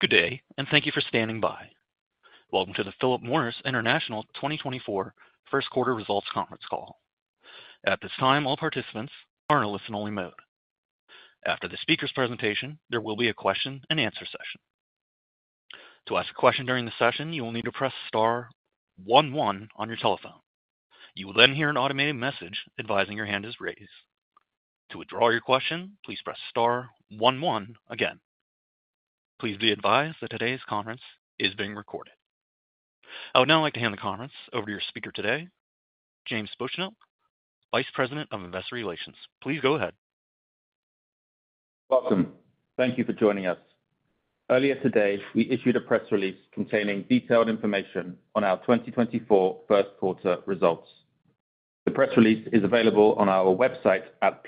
Good day, and thank you for standing by. Welcome to the Philip Morris International 2024 First Quarter Results Conference Call. At this time, all participants are in a listen-only mode. After the speaker's presentation, there will be a question-and-answer session. To ask a question during the session, you will need to press star one one on your telephone. You will then hear an automated message advising your hand is raised. To withdraw your question, please press star one one again. Please be advised that today's conference is being recorded. I would now like to hand the conference over to your speaker today, James Bushnell, Vice President of Investor Relations. Please go ahead. Welcome. Thank you for joining us. Earlier today, we issued a press release containing detailed information on our 2024 first quarter results. The press release is available on our website at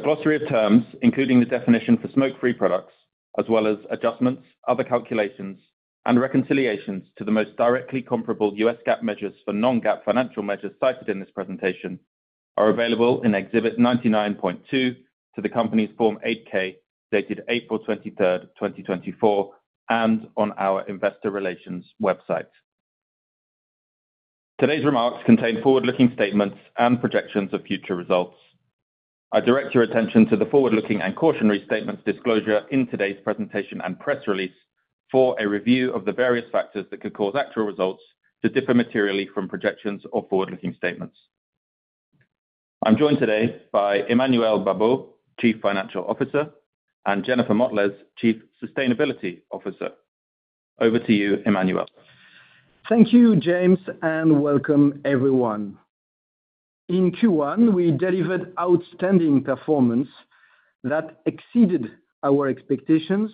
pmi.com. A glossary of terms, including the definition for smoke-free products, as well as adjustments, other calculations, and reconciliations to the most directly comparable US GAAP measures for non-GAAP financial measures cited in this presentation, are available in Exhibit 99.2 to the company's Form 8-K, dated April 23rd, 2024, and on our investor relations website. Today's remarks contain forward-looking statements and projections of future results. I direct your attention to the forward-looking and cautionary statements disclosure in today's presentation and press release for a review of the various factors that could cause actual results to differ materially from projections or forward-looking statements. I'm joined today by Emmanuel Babeau, Chief Financial Officer, and Jennifer Motles, Chief Sustainability Officer. Over to you, Emmanuel. Thank you, James, and welcome, everyone. In Q1, we delivered outstanding performance that exceeded our expectations,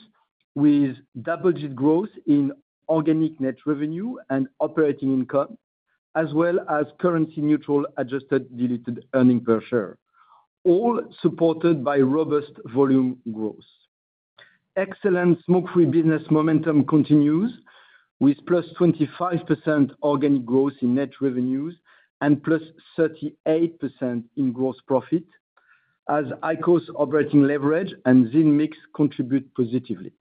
with double-digit growth in organic net revenue and operating income, as well as currency-neutral adjusted diluted earnings per share, all supported by robust volume growth. Excellent smoke-free business momentum continues, with +25% organic growth in net revenues and +38% in gross profit as IQOS operating leverage and VEEV mix contribute positively.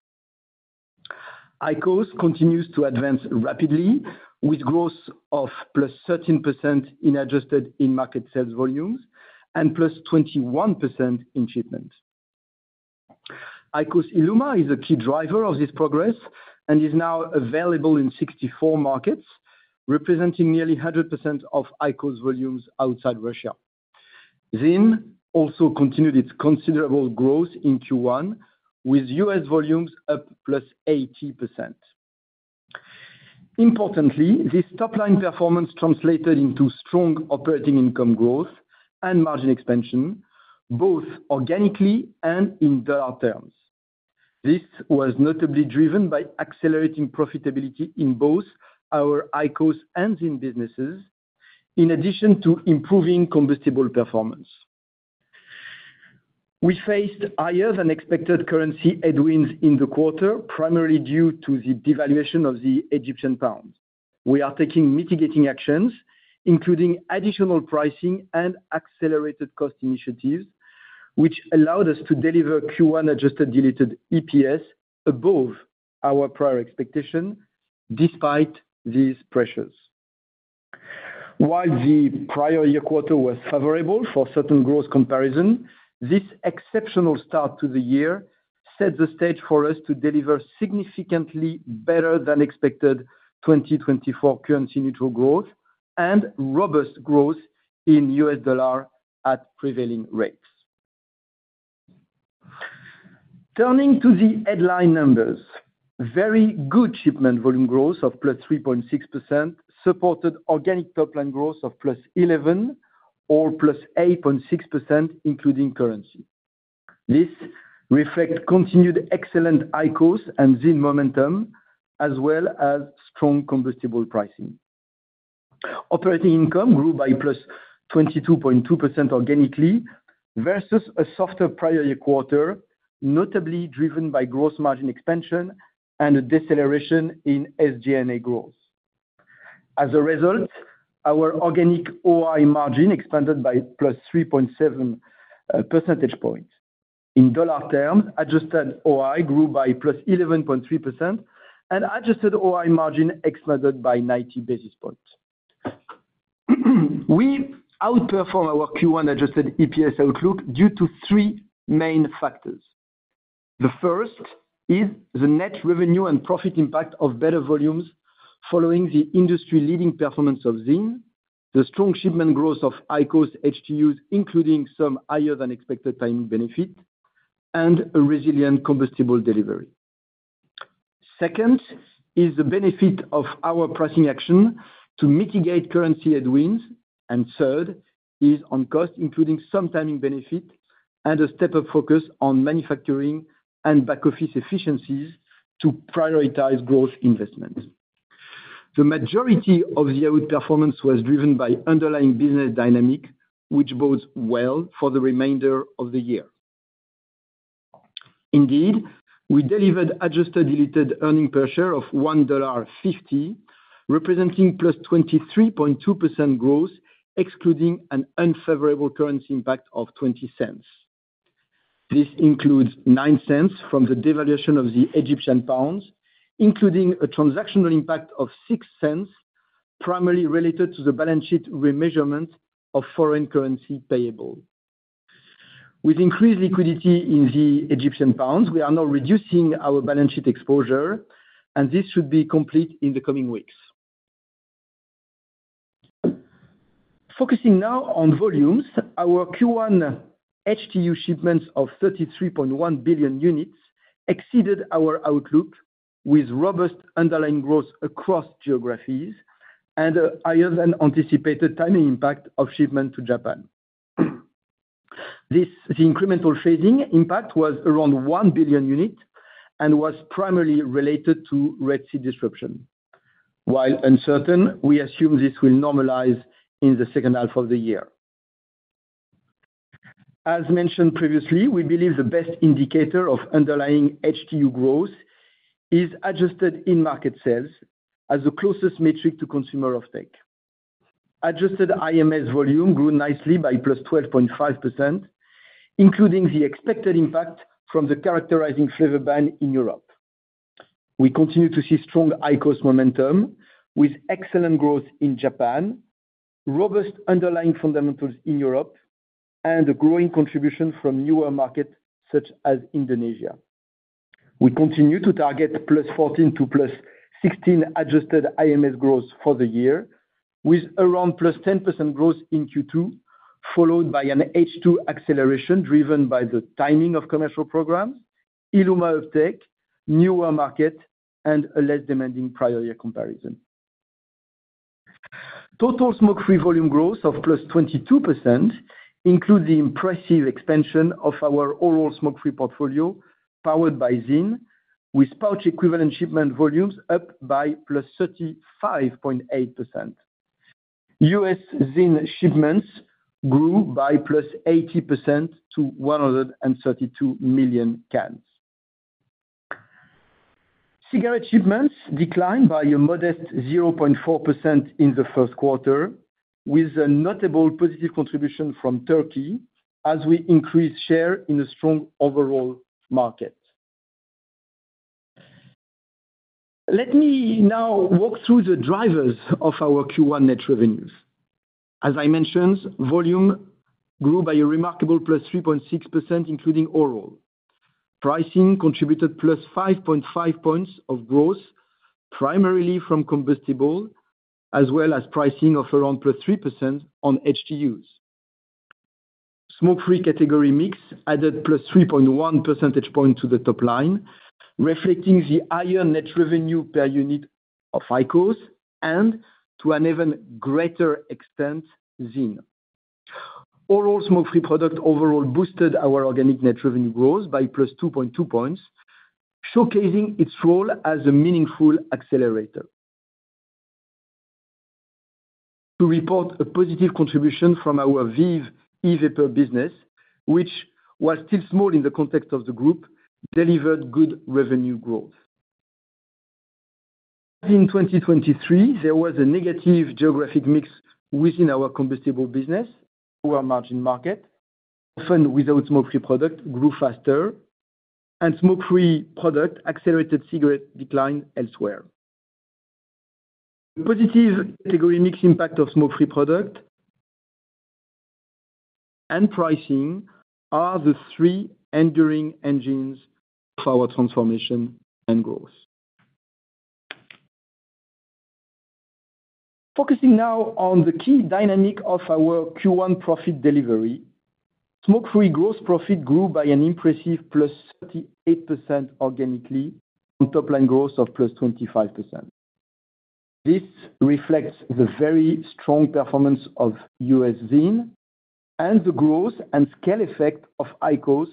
IQOS continues to advance rapidly, with growth of +13% in adjusted in-market sales volumes and +21% in shipments. IQOS ILUMA is a key driver of this progress and is now available in 64 markets, representing nearly 100% of IQOS volumes outside Russia. ZYN also continued its considerable growth in Q1, with U.S. volumes up +80%. Importantly, this top-line performance translated into strong operating income growth and margin expansion, both organically and in dollar terms. This was notably driven by accelerating profitability in both our IQOS and ZYN businesses, in addition to improving combustible performance. We faced higher than expected currency headwinds in the quarter, primarily due to the devaluation of the Egyptian pound. We are taking mitigating actions, including additional pricing and accelerated cost initiatives, which allowed us to deliver Q1 adjusted diluted EPS above our prior expectation despite these pressures. While the prior year quarter was favorable for certain growth comparison, this exceptional start to the year set the stage for us to deliver significantly better than expected 2024 currency neutral growth and robust growth in US dollar at prevailing rates. Turning to the headline numbers. Very good shipment volume growth of +3.6% supported organic top-line growth of +11% or +8.6%, including currency. This reflect continued excellent IQOS and ZYN momentum, as well as strong combustible pricing. Operating income grew by +22.2% organically versus a softer prior year quarter, notably driven by gross margin expansion and a deceleration in SG&A growth. As a result, our organic OI margin expanded by +3.7 percentage points. In dollar terms, adjusted OI grew by +11.3%, and adjusted OI margin expanded by 90 basis points. We outperformed our Q1 adjusted EPS outlook due to three main factors. The first is the net revenue and profit impact of better volumes following the industry-leading performance of ZYN, the strong shipment growth of IQOS HTUs, including some higher than expected timing benefit, and a resilient combustible delivery. Second, is the benefit of our pricing action to mitigate currency headwinds, and third, is on cost, including some timing benefit and a step-up focus on manufacturing and back-office efficiencies to prioritize growth investments. The majority of the outperformance was driven by underlying business dynamic, which bodes well for the remainder of the year. Indeed, we delivered adjusted diluted earnings per share of $1.50, representing +23.2% growth, excluding an unfavorable currency impact of $0.20. This includes $0.9 from the devaluation of the Egyptian pounds, including a transactional impact of $0.6, primarily related to the balance sheet remeasurement of foreign currency payable. With increased liquidity in the Egyptian pounds, we are now reducing our balance sheet exposure, and this should be complete in the coming weeks. Focusing now on volumes, our Q1 HTU shipments of 33.1 billion units exceeded our outlook with robust underlying growth across geographies and a higher-than-anticipated timing impact of shipment to Japan. This, the incremental phasing impact was around one billion unit and was primarily related to Red Sea disruption. While uncertain, we assume this will normalize in the second half of the year. As mentioned previously, we believe the best indicator of underlying HTU growth is adjusted in-market sales as the closest metric to consumer offtake. Adjusted IMS volume grew nicely by +12.5%, including the expected impact from the characterizing flavor ban in Europe. We continue to see strong IQOS momentum, with excellent growth in Japan, robust underlying fundamentals in Europe, and a growing contribution from newer markets such as Indonesia. We continue to target +14% to +16% adjusted IMS growth for the year, with around +10% growth in Q2, followed by an H2 acceleration, driven by the timing of commercial programs, ILUMA offtake, newer market, and a less demanding prior year comparison. Total smoke-free volume growth of +22% includes the impressive expansion of our oral smoke-free portfolio, powered by ZYN, with pouch equivalent shipment volumes up by +35.8%. US ZYN shipments grew by +80% to 132 million cans. Cigarette shipments declined by a modest 0.4% in the first quarter, with a notable positive contribution from Turkey as we increase share in a strong overall market. Let me now walk through the drivers of our Q1 net revenues. As I mentioned, volume grew by a remarkable +3.6%, including oral. Pricing contributed +5.5 points of growth, primarily from combustible, as well as pricing of around +3% on HTUs. Smoke-free category mix added +3.1 percentage point to the top line, reflecting the higher net revenue per unit of IQOS, and to an even greater extent, ZYN. Oral smoke-free product overall boosted our organic net revenue growth by +2.2 points, showcasing its role as a meaningful accelerator. To report a positive contribution from our VEEV e-vapor business, which, while still small in the context of the group, delivered good revenue growth. In 2023, there was a negative geographic mix within our combustible business, where margin market, often without smoke-free product, grew faster, and smoke-free product accelerated cigarette decline elsewhere. Positive category mix impact of smoke-free product and pricing are the three enduring engines for our transformation and growth. Focusing now on the key dynamic of our Q1 profit delivery, smoke-free gross profit grew by an impressive +38% organically, on top line growth of +25%. This reflects the very strong performance of US ZYN and the growth and scale effect of IQOS,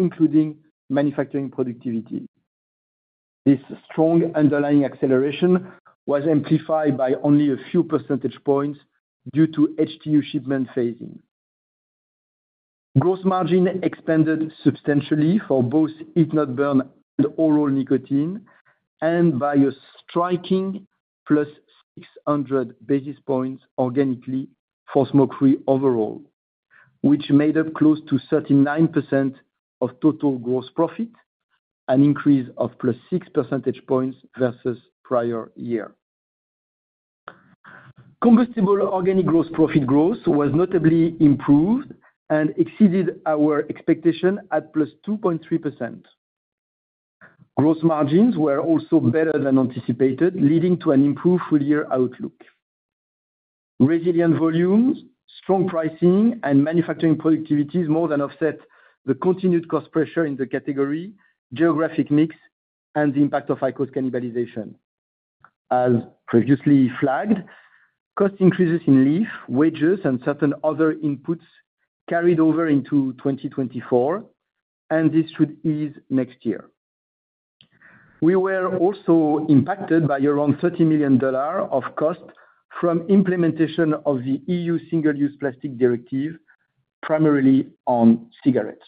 including manufacturing productivity. This strong underlying acceleration was amplified by only a few percentage points due to HTU shipment phasing. Gross margin expanded substantially for both heat-not-burn and oral nicotine, and by a striking +600 basis points organically for smoke-free overall, which made up close to 39% of total gross profit, an increase of +6 percentage points versus prior year. Combustible organic gross profit growth was notably improved and exceeded our expectation at +2.3%. Gross margins were also better than anticipated, leading to an improved full year outlook. Resilient volumes, strong pricing, and manufacturing productivities more than offset the continued cost pressure in the category, geographic mix, and the impact of IQOS cannibalization. As previously flagged, cost increases in leaf, wages, and certain other inputs carried over into 2024, and this should ease next year. We were also impacted by around $30 million of cost from implementation of the EU Single-Use Plastic Directive, primarily on cigarettes.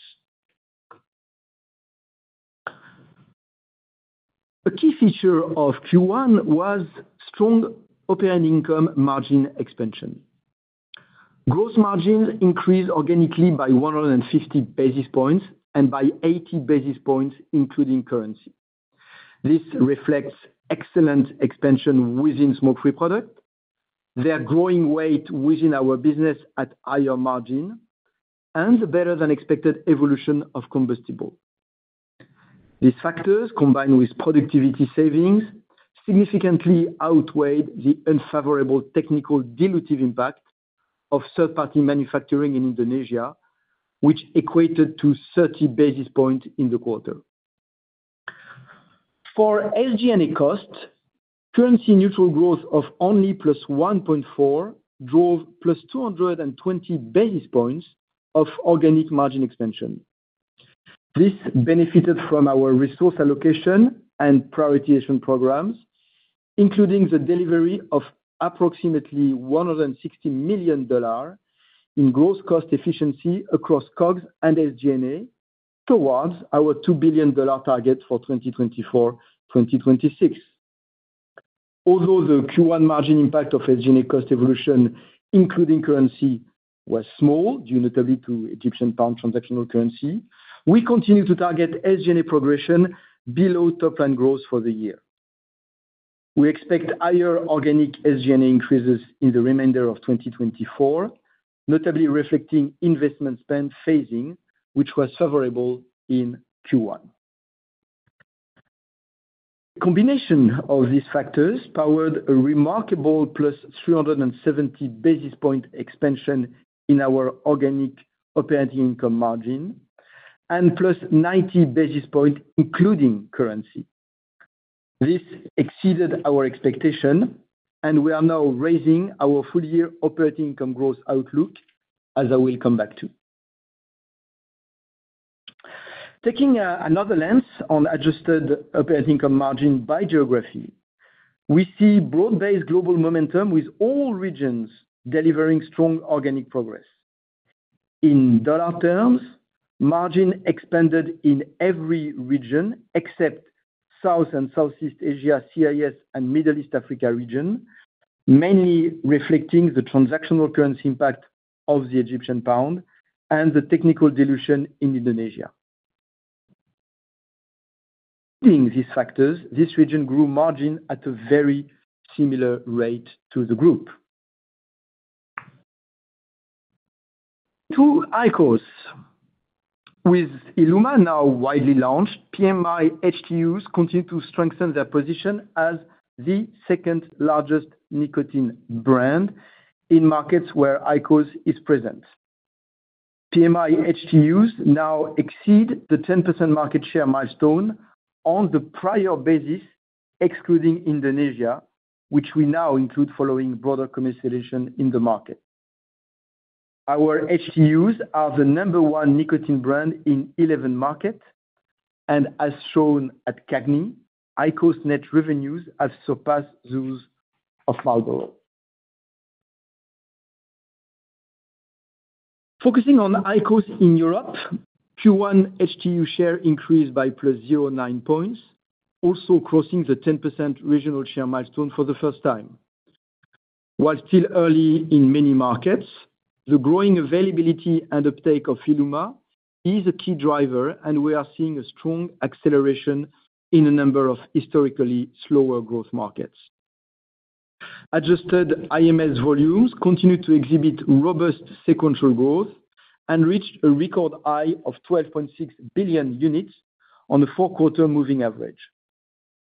A key feature of Q1 was strong operating income margin expansion. Gross margin increased organically by 150 basis points, and by 80 basis points, including currency. This reflects excellent expansion within smoke-free product, their growing weight within our business at higher margin, and the better-than-expected evolution of combustible. These factors, combined with productivity savings, significantly outweighed the unfavorable technical dilutive impact of third-party manufacturing in Indonesia, which equated to 30 basis points in the quarter. For SG&A costs, currency neutral growth of only +1.4 drove +220 basis points of organic margin expansion. This benefited from our resource allocation and prioritization programs, including the delivery of approximately $160 million in gross cost efficiency across COGS and SG&A, towards our $2 billion target for 2024-2026. Although the Q1 margin impact of SG&A cost evolution, including currency, was small, due notably to Egyptian pound transactional currency, we continue to target SG&A progression below top line growth for the year. We expect higher organic SG&A increases in the remainder of 2024, notably reflecting investment spend phasing, which was favorable in Q1. Combination of these factors powered a remarkable +370 basis point expansion in our organic operating income margin, and +90 basis point, including currency. This exceeded our expectation, and we are now raising our full year operating income growth outlook, as I will come back to. Taking another lens on adjusted operating income margin by geography, we see broad-based global momentum with all regions delivering strong organic progress. In dollar terms, margin expanded in every region except South and Southeast Asia, CIS, and Middle East Africa region, mainly reflecting the transactional currency impact of the Egyptian pound and the technical dilution in Indonesia. Seeing these factors, this region grew margin at a very similar rate to the group. To IQOS. With ILUMA now widely launched, PMI HTUs continue to strengthen their position as the second-largest nicotine brand in markets where IQOS is present. PMI HTUs now exceed the 10% market share milestone on the prior basis, excluding Indonesia, which we now include following broader commercialization in the market. Our HTUs are the number one nicotine brand in 11 markets, and as shown at CAGNY, IQOS net revenues have surpassed those of Marlboro. Focusing on IQOS in Europe, Q1 HTU share increased by +0.9 points, also crossing the 10% regional share milestone for the first time. While still early in many markets, the growing availability and uptake of ILUMA is a key driver, and we are seeing a strong acceleration in a number of historically slower growth markets. Adjusted IMS volumes continued to exhibit robust sequential growth and reached a record high of 12.6 billion units on a 4-quarter moving average.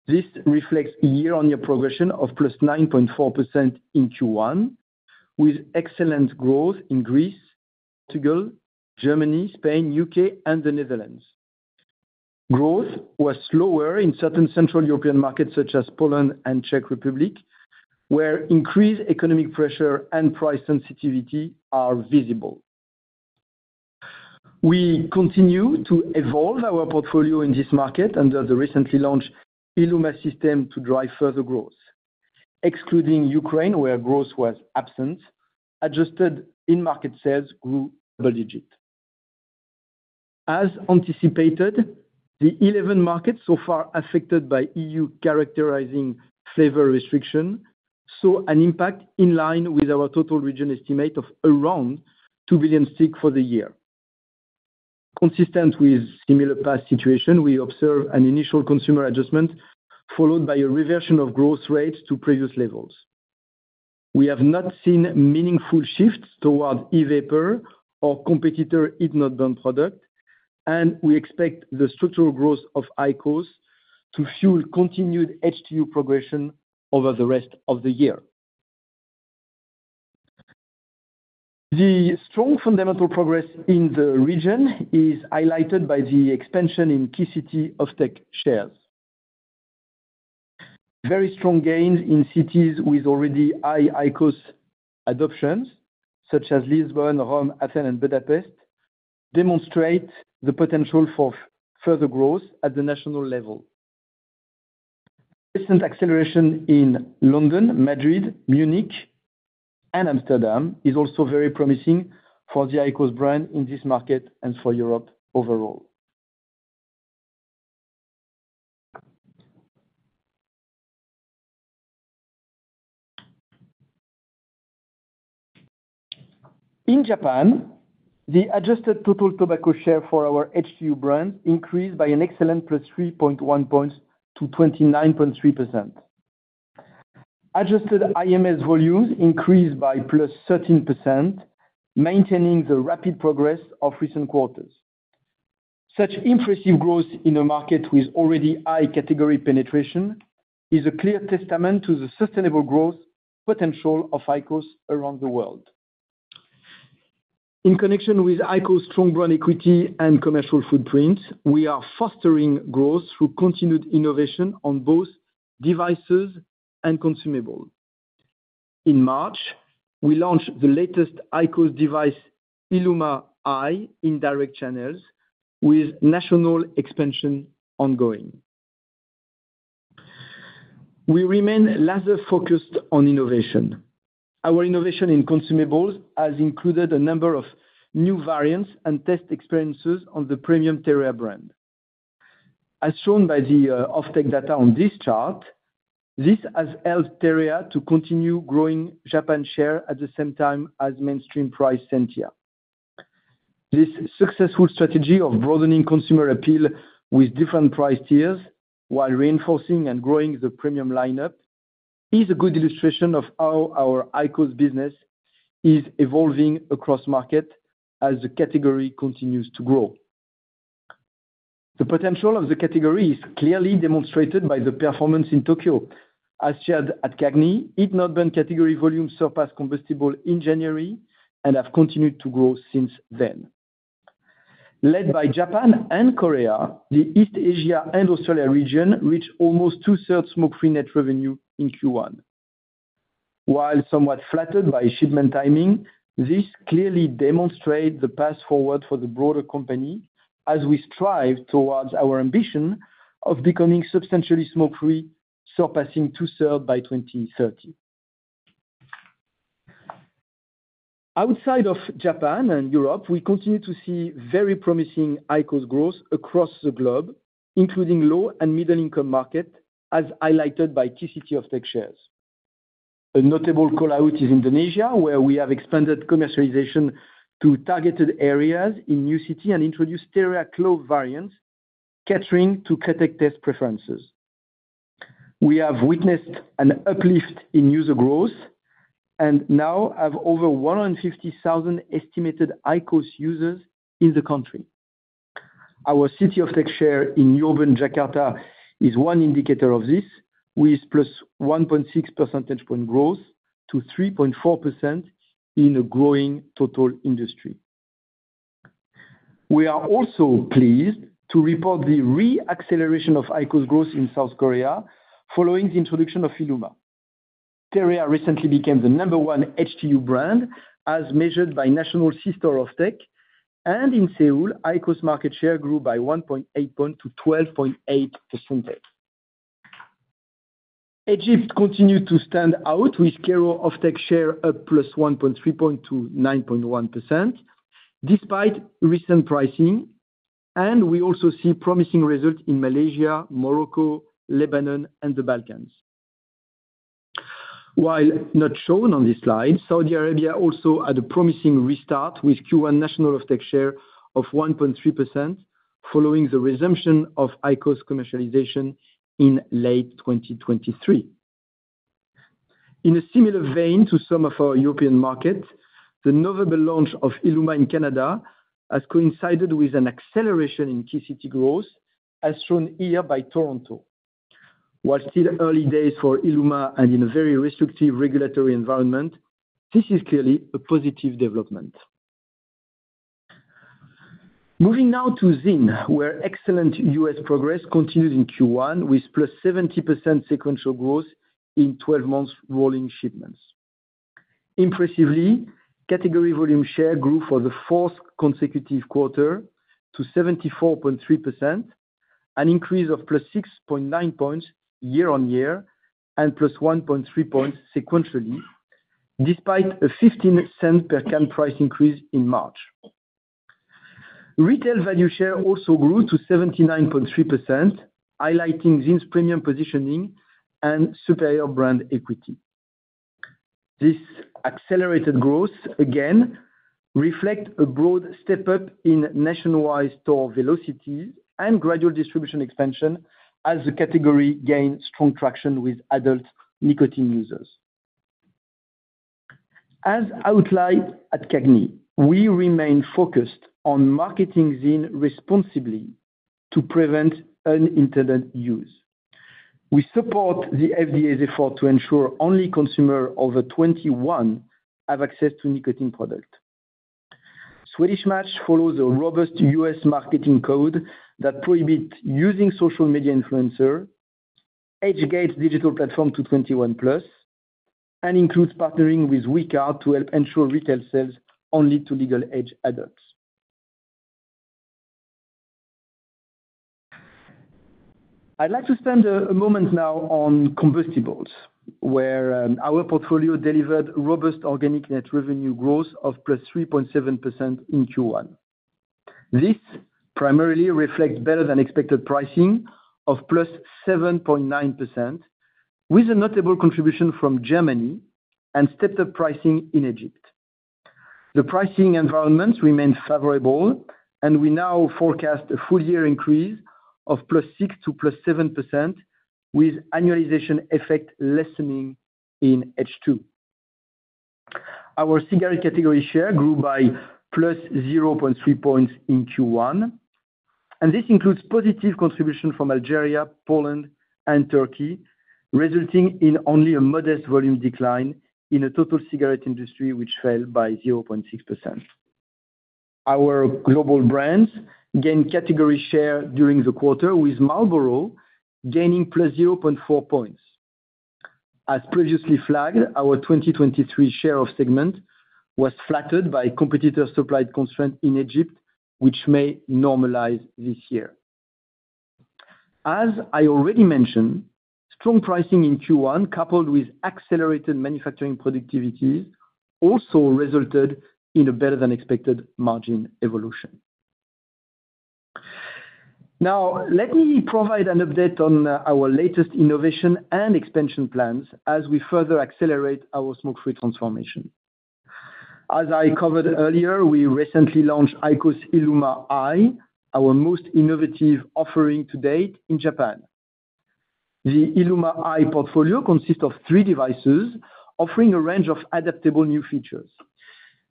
This reflects year-on-year progression of +9.4% in Q1, with excellent growth in Greece, Portugal, Germany, Spain, U.K., and the Netherlands. Growth was slower in certain central European markets, such as Poland and Czech Republic, where increased economic pressure and price sensitivity are visible. We continue to evolve our portfolio in this market under the recently launched ILUMA system to drive further growth. Excluding Ukraine, where growth was absent, adjusted in-market sales grew double-digit. As anticipated, the 11 markets so far affected by EU characterizing flavor restriction saw an impact in line with our total region estimate of around two billion sticks for the year. Consistent with similar past situation, we observe an initial consumer adjustment, followed by a reversion of growth rates to previous levels. We have not seen meaningful shifts toward e-vapor or competitor heat-not-burn product, and we expect the structural growth of IQOS to fuel continued HTU progression over the rest of the year. The strong fundamental progress in the region is highlighted by the expansion in key city off-take shares. Very strong gains in cities with already high IQOS adoptions, such as Lisbon, Rome, Athens, and Budapest, demonstrate the potential for further growth at the national level. Recent acceleration in London, Madrid, Munich. Amsterdam is also very promising for the IQOS brand in this market and for Europe overall. In Japan, the adjusted total tobacco share for our HTU brand increased by an excellent +3.1 points to 29.3%. Adjusted IMS volumes increased by +13%, maintaining the rapid progress of recent quarters. Such impressive growth in a market with already high category penetration is a clear testament to the sustainable growth potential of IQOS around the world. In connection with IQOS' strong brand equity and commercial footprint, we are fostering growth through continued innovation on both devices and consumable. In March, we launched the latest IQOS device, IQOS ILUMA i, in direct channels with national expansion ongoing. We remain laser-focused on innovation. Our innovation in consumables has included a number of new variants and test experiences on the premium TEREA brand. As shown by the off-take data on this chart, this has helped TEREA to continue growing Japan's share at the same time as mainstream price tier. This successful strategy of broadening consumer appeal with different price tiers, while reinforcing and growing the premium lineup, is a good illustration of how our IQOS business is evolving across market as the category continues to grow. The potential of the category is clearly demonstrated by the performance in Tokyo. As shared at CAGNY, heat-not-burn category volume surpassed combustible in January and have continued to grow since then. Led by Japan and Korea, the East Asia and Australia region reached almost two-thirds smoke-free net revenue in Q1. While somewhat flattered by shipment timing, this clearly demonstrate the path forward for the broader company as we strive towards our ambition of becoming substantially smoke-free, surpassing 2/3 by 2030. Outside of Japan and Europe, we continue to see very promising IQOS growth across the globe, including low and middle-income market, as highlighted by Key City off-take shares. A notable call-out is Indonesia, where we have expanded commercialization to targeted areas in new city and introduced TEREA closed variants, catering to category taste preferences. We have witnessed an uplift in user growth and now have over 150,000 estimated IQOS users in the country. Our city off-take share in urban Jakarta is one indicator of this, with +1.6 percentage point growth to 3.4% in a growing total industry. We are also pleased to report the re-acceleration of IQOS growth in South Korea following the introduction of ILUMA. TEREA recently became the number one HTU brand, as measured by national system off-take, and in Seoul, IQOS market share grew by 1.8 points to 12.8%. Egypt continued to stand out with Cairo off-take share up +1.3 points to 9.1%, despite recent pricing, and we also see promising results in Malaysia, Morocco, Lebanon, and the Balkans. While not shown on this slide, Saudi Arabia also had a promising restart, with Q1 national off-take share of 1.3%, following the resumption of IQOS commercialization in late 2023. In a similar vein to some of our European markets, the November launch of ILUMA in Canada has coincided with an acceleration in key city growth, as shown here by Toronto. While still early days for ILUMA and in a very restrictive regulatory environment, this is clearly a positive development. Moving now to ZYN, where excellent U.S. progress continues in Q1, with +70% sequential growth in 12-month rolling shipments. Impressively, category volume share grew for the fourth consecutive quarter to 74.3%, an increase of +6.9 points year-on-year and +1.3 points sequentially, despite a $0.15 per can price increase in March. Retail value share also grew to 79.3%, highlighting ZYN's premium positioning and superior brand equity. This accelerated growth again reflect a broad step up in nationwide store velocities and gradual distribution expansion as the category gains strong traction with adult nicotine users. As outlined at CAGNY, we remain focused on marketing ZYN responsibly to prevent unintended use. We support the FDA's effort to ensure only consumer over 21 have access to nicotine product. Swedish Match follows a robust U.S. marketing code that prohibits using social media influencer, educates digital platform to 21+, and includes partnering with We Card to help ensure retail sales only to legal age adults. I'd like to spend a moment now on combustibles, where our portfolio delivered robust organic net revenue growth of +3.7% in Q1. This primarily reflects better than expected pricing of +7.9%, with a notable contribution from Germany and stepped-up pricing in Egypt. The pricing environment remains favorable, and we now forecast a full year increase of +6% to +7%, with annualization effect lessening in H2. Our cigarette category share grew by +0.3 points in Q1, and this includes positive contribution from Algeria, Poland, and Turkey, resulting in only a modest volume decline in a total cigarette industry, which fell by 0.6%. Our global brands gained category share during the quarter, with Marlboro gaining +0.4 points. As previously flagged, our 2023 share of segment was flattered by competitor supply constraint in Egypt, which may normalize this year. As I already mentioned, strong pricing in Q1, coupled with accelerated manufacturing productivity, also resulted in a better than expected margin evolution. Now, let me provide an update on our latest innovation and expansion plans as we further accelerate our smoke-free transformation. As I covered earlier, we recently launched IQOS ILUMA i, our most innovative offering to date in Japan. The ILUMA I portfolio consists of three devices, offering a range of adaptable new features.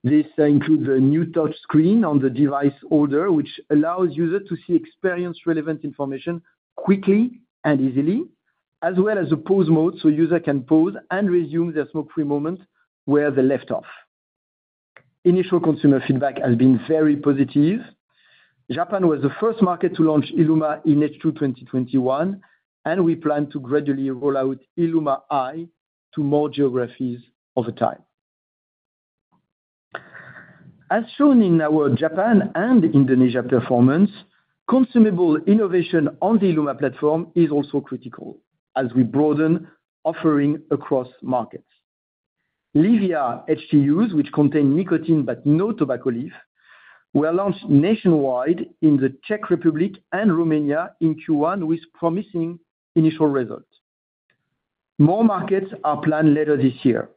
This includes a new touch screen on the device holder, which allows users to see experience relevant information quickly and easily, as well as a pause mode, so user can pause and resume their smoke-free moment where they left off. Initial consumer feedback has been very positive. Japan was the first market to launch ILUMA in H2 2021, and we plan to gradually roll out ILUMA I to more geographies over time. As shown in our Japan and Indonesia performance, consumable innovation on the ILUMA platform is also critical as we broaden offering across markets. LEVIA HTUs, which contain nicotine but no tobacco leaf, were launched nationwide in the Czech Republic and Romania in Q1, with promising initial results. More markets are planned later this year.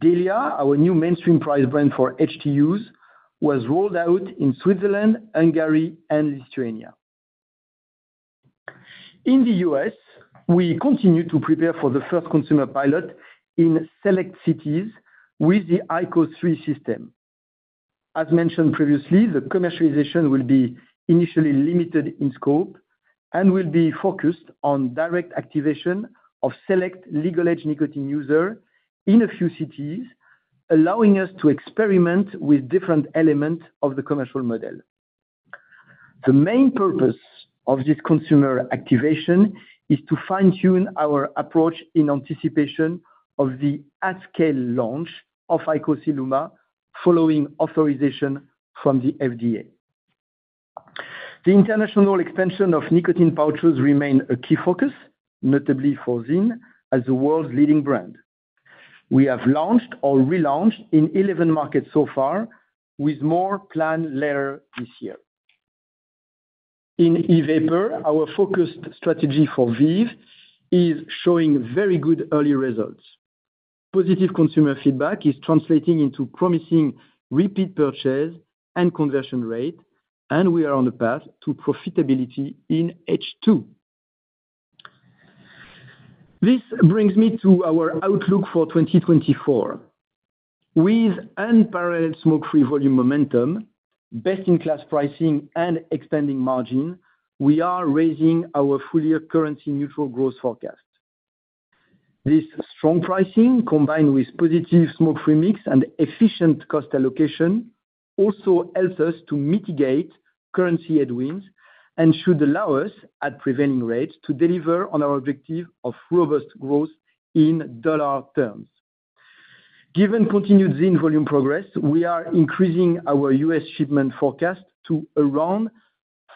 DELIA, our new mainstream price brand for HTUs, was rolled out in Switzerland, Hungary and Lithuania. In the U.S., we continue to prepare for the first consumer pilot in select cities with the IQOS 3 system. As mentioned previously, the commercialization will be initially limited in scope and will be focused on direct activation of select legal-age nicotine user in a few cities, allowing us to experiment with different elements of the commercial model. The main purpose of this consumer activation is to fine-tune our approach in anticipation of the at-scale launch of IQOS ILUMA, following authorization from the FDA. The international expansion of nicotine pouches remain a key focus, notably for ZYN, as the world's leading brand. We have launched or relaunched in 11 markets so far, with more planned later this year. In e-vapor, our focused strategy for VEEV is showing very good early results. Positive consumer feedback is translating into promising repeat purchase and conversion rate, and we are on the path to profitability in H2. This brings me to our outlook for 2024. With unparalleled smoke-free volume momentum, best-in-class pricing, and expanding margin, we are raising our full-year currency neutral growth forecast. This strong pricing, combined with positive smoke-free mix and efficient cost allocation, also helps us to mitigate currency headwinds and should allow us, at prevailing rates, to deliver on our objective of robust growth in dollar terms. Given continued ZYN volume progress, we are increasing our U.S. shipment forecast to around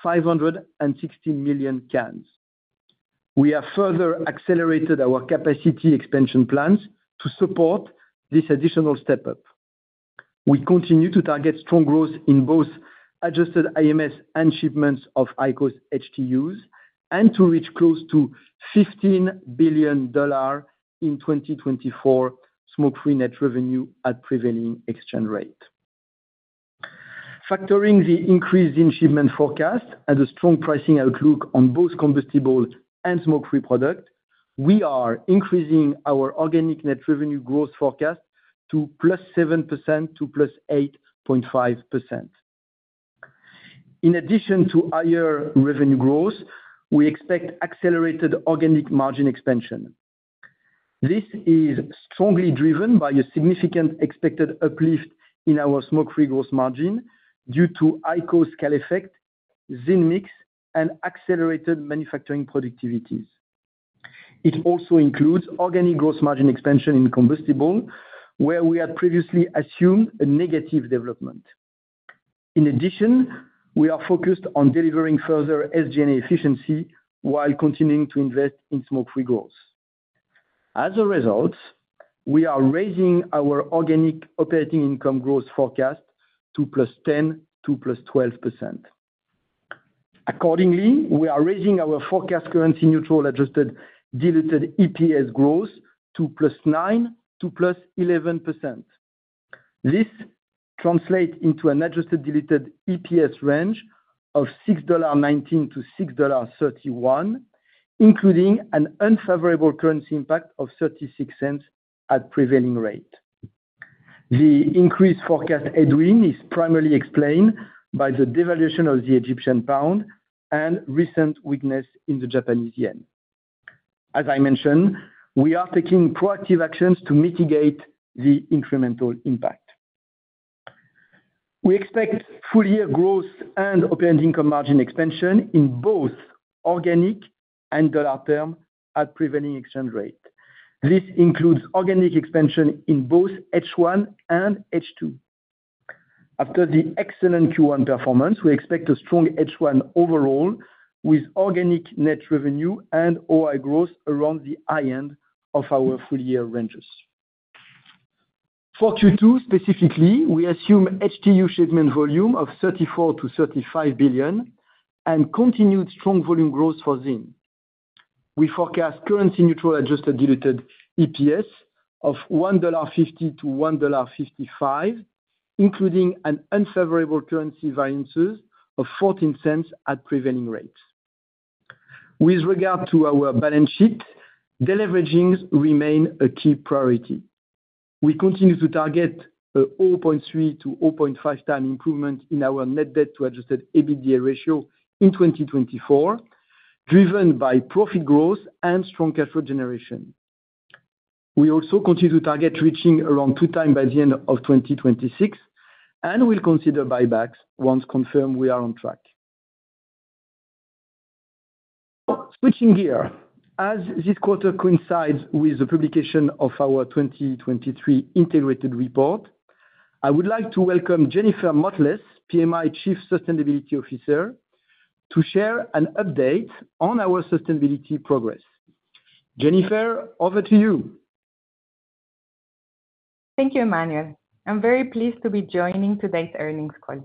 560 million cans. We have further accelerated our capacity expansion plans to support this additional step-up. We continue to target strong growth in both adjusted IMS and shipments of IQOS HTUs, and to reach close to $15 billion in 2024 smoke-free net revenue at prevailing exchange rate. Factoring the increase in shipment forecast and a strong pricing outlook on both combustible and smoke-free product, we are increasing our organic net revenue growth forecast to +7% to +8.5%. In addition to higher revenue growth, we expect accelerated organic margin expansion. This is strongly driven by a significant expected uplift in our smoke-free gross margin due to IQOS scale effect, ZYN mix, and accelerated manufacturing productivities. It also includes organic gross margin expansion in combustible, where we had previously assumed a negative development. In addition, we are focused on delivering further SG&A efficiency while continuing to invest in smoke-free growth. As a result, we are raising our organic operating income growth forecast to +10%-+12%. Accordingly, we are raising our forecast currency neutral Adjusted Diluted EPS growth to +9%-+11%. This translates into an Adjusted Diluted EPS range of $6.19-$6.31, including an unfavorable currency impact of $0.36 at prevailing rate. The increased forecast headwind is primarily explained by the devaluation of the Egyptian pound and recent weakness in the Japanese yen. As I mentioned, we are taking proactive actions to mitigate the incremental impact. We expect full year growth and operating income margin expansion in both organic and dollar term at prevailing exchange rate. This includes organic expansion in both H1 and H2. After the excellent Q1 performance, we expect a strong H1 overall, with organic net revenue and OI growth around the high end of our full year ranges. For Q2, specifically, we assume HTU shipment volume of 34 billion-35 billion, and continued strong volume growth for ZYN. We forecast currency neutral adjusted diluted EPS of $1.50-$1.55, including an unfavorable currency variances of $0.14 at prevailing rates. With regard to our balance sheet, deleveragings remain a key priority. We continue to target a 0.3-0.5x improvement in our net debt to adjusted EBITDA ratio in 2024, driven by profit growth and strong cash flow generation. We also continue to target reaching around 2x by the end of 2026, and we'll consider buybacks once confirmed we are on track. Switching gear, as this quarter coincides with the publication of our 2023 integrated report, I would like to welcome Jennifer Motles, PMI Chief Sustainability Officer, to share an update on our sustainability progress. Jennifer, over to you. Thank you, Emmanuel. I'm very pleased to be joining today's earnings call.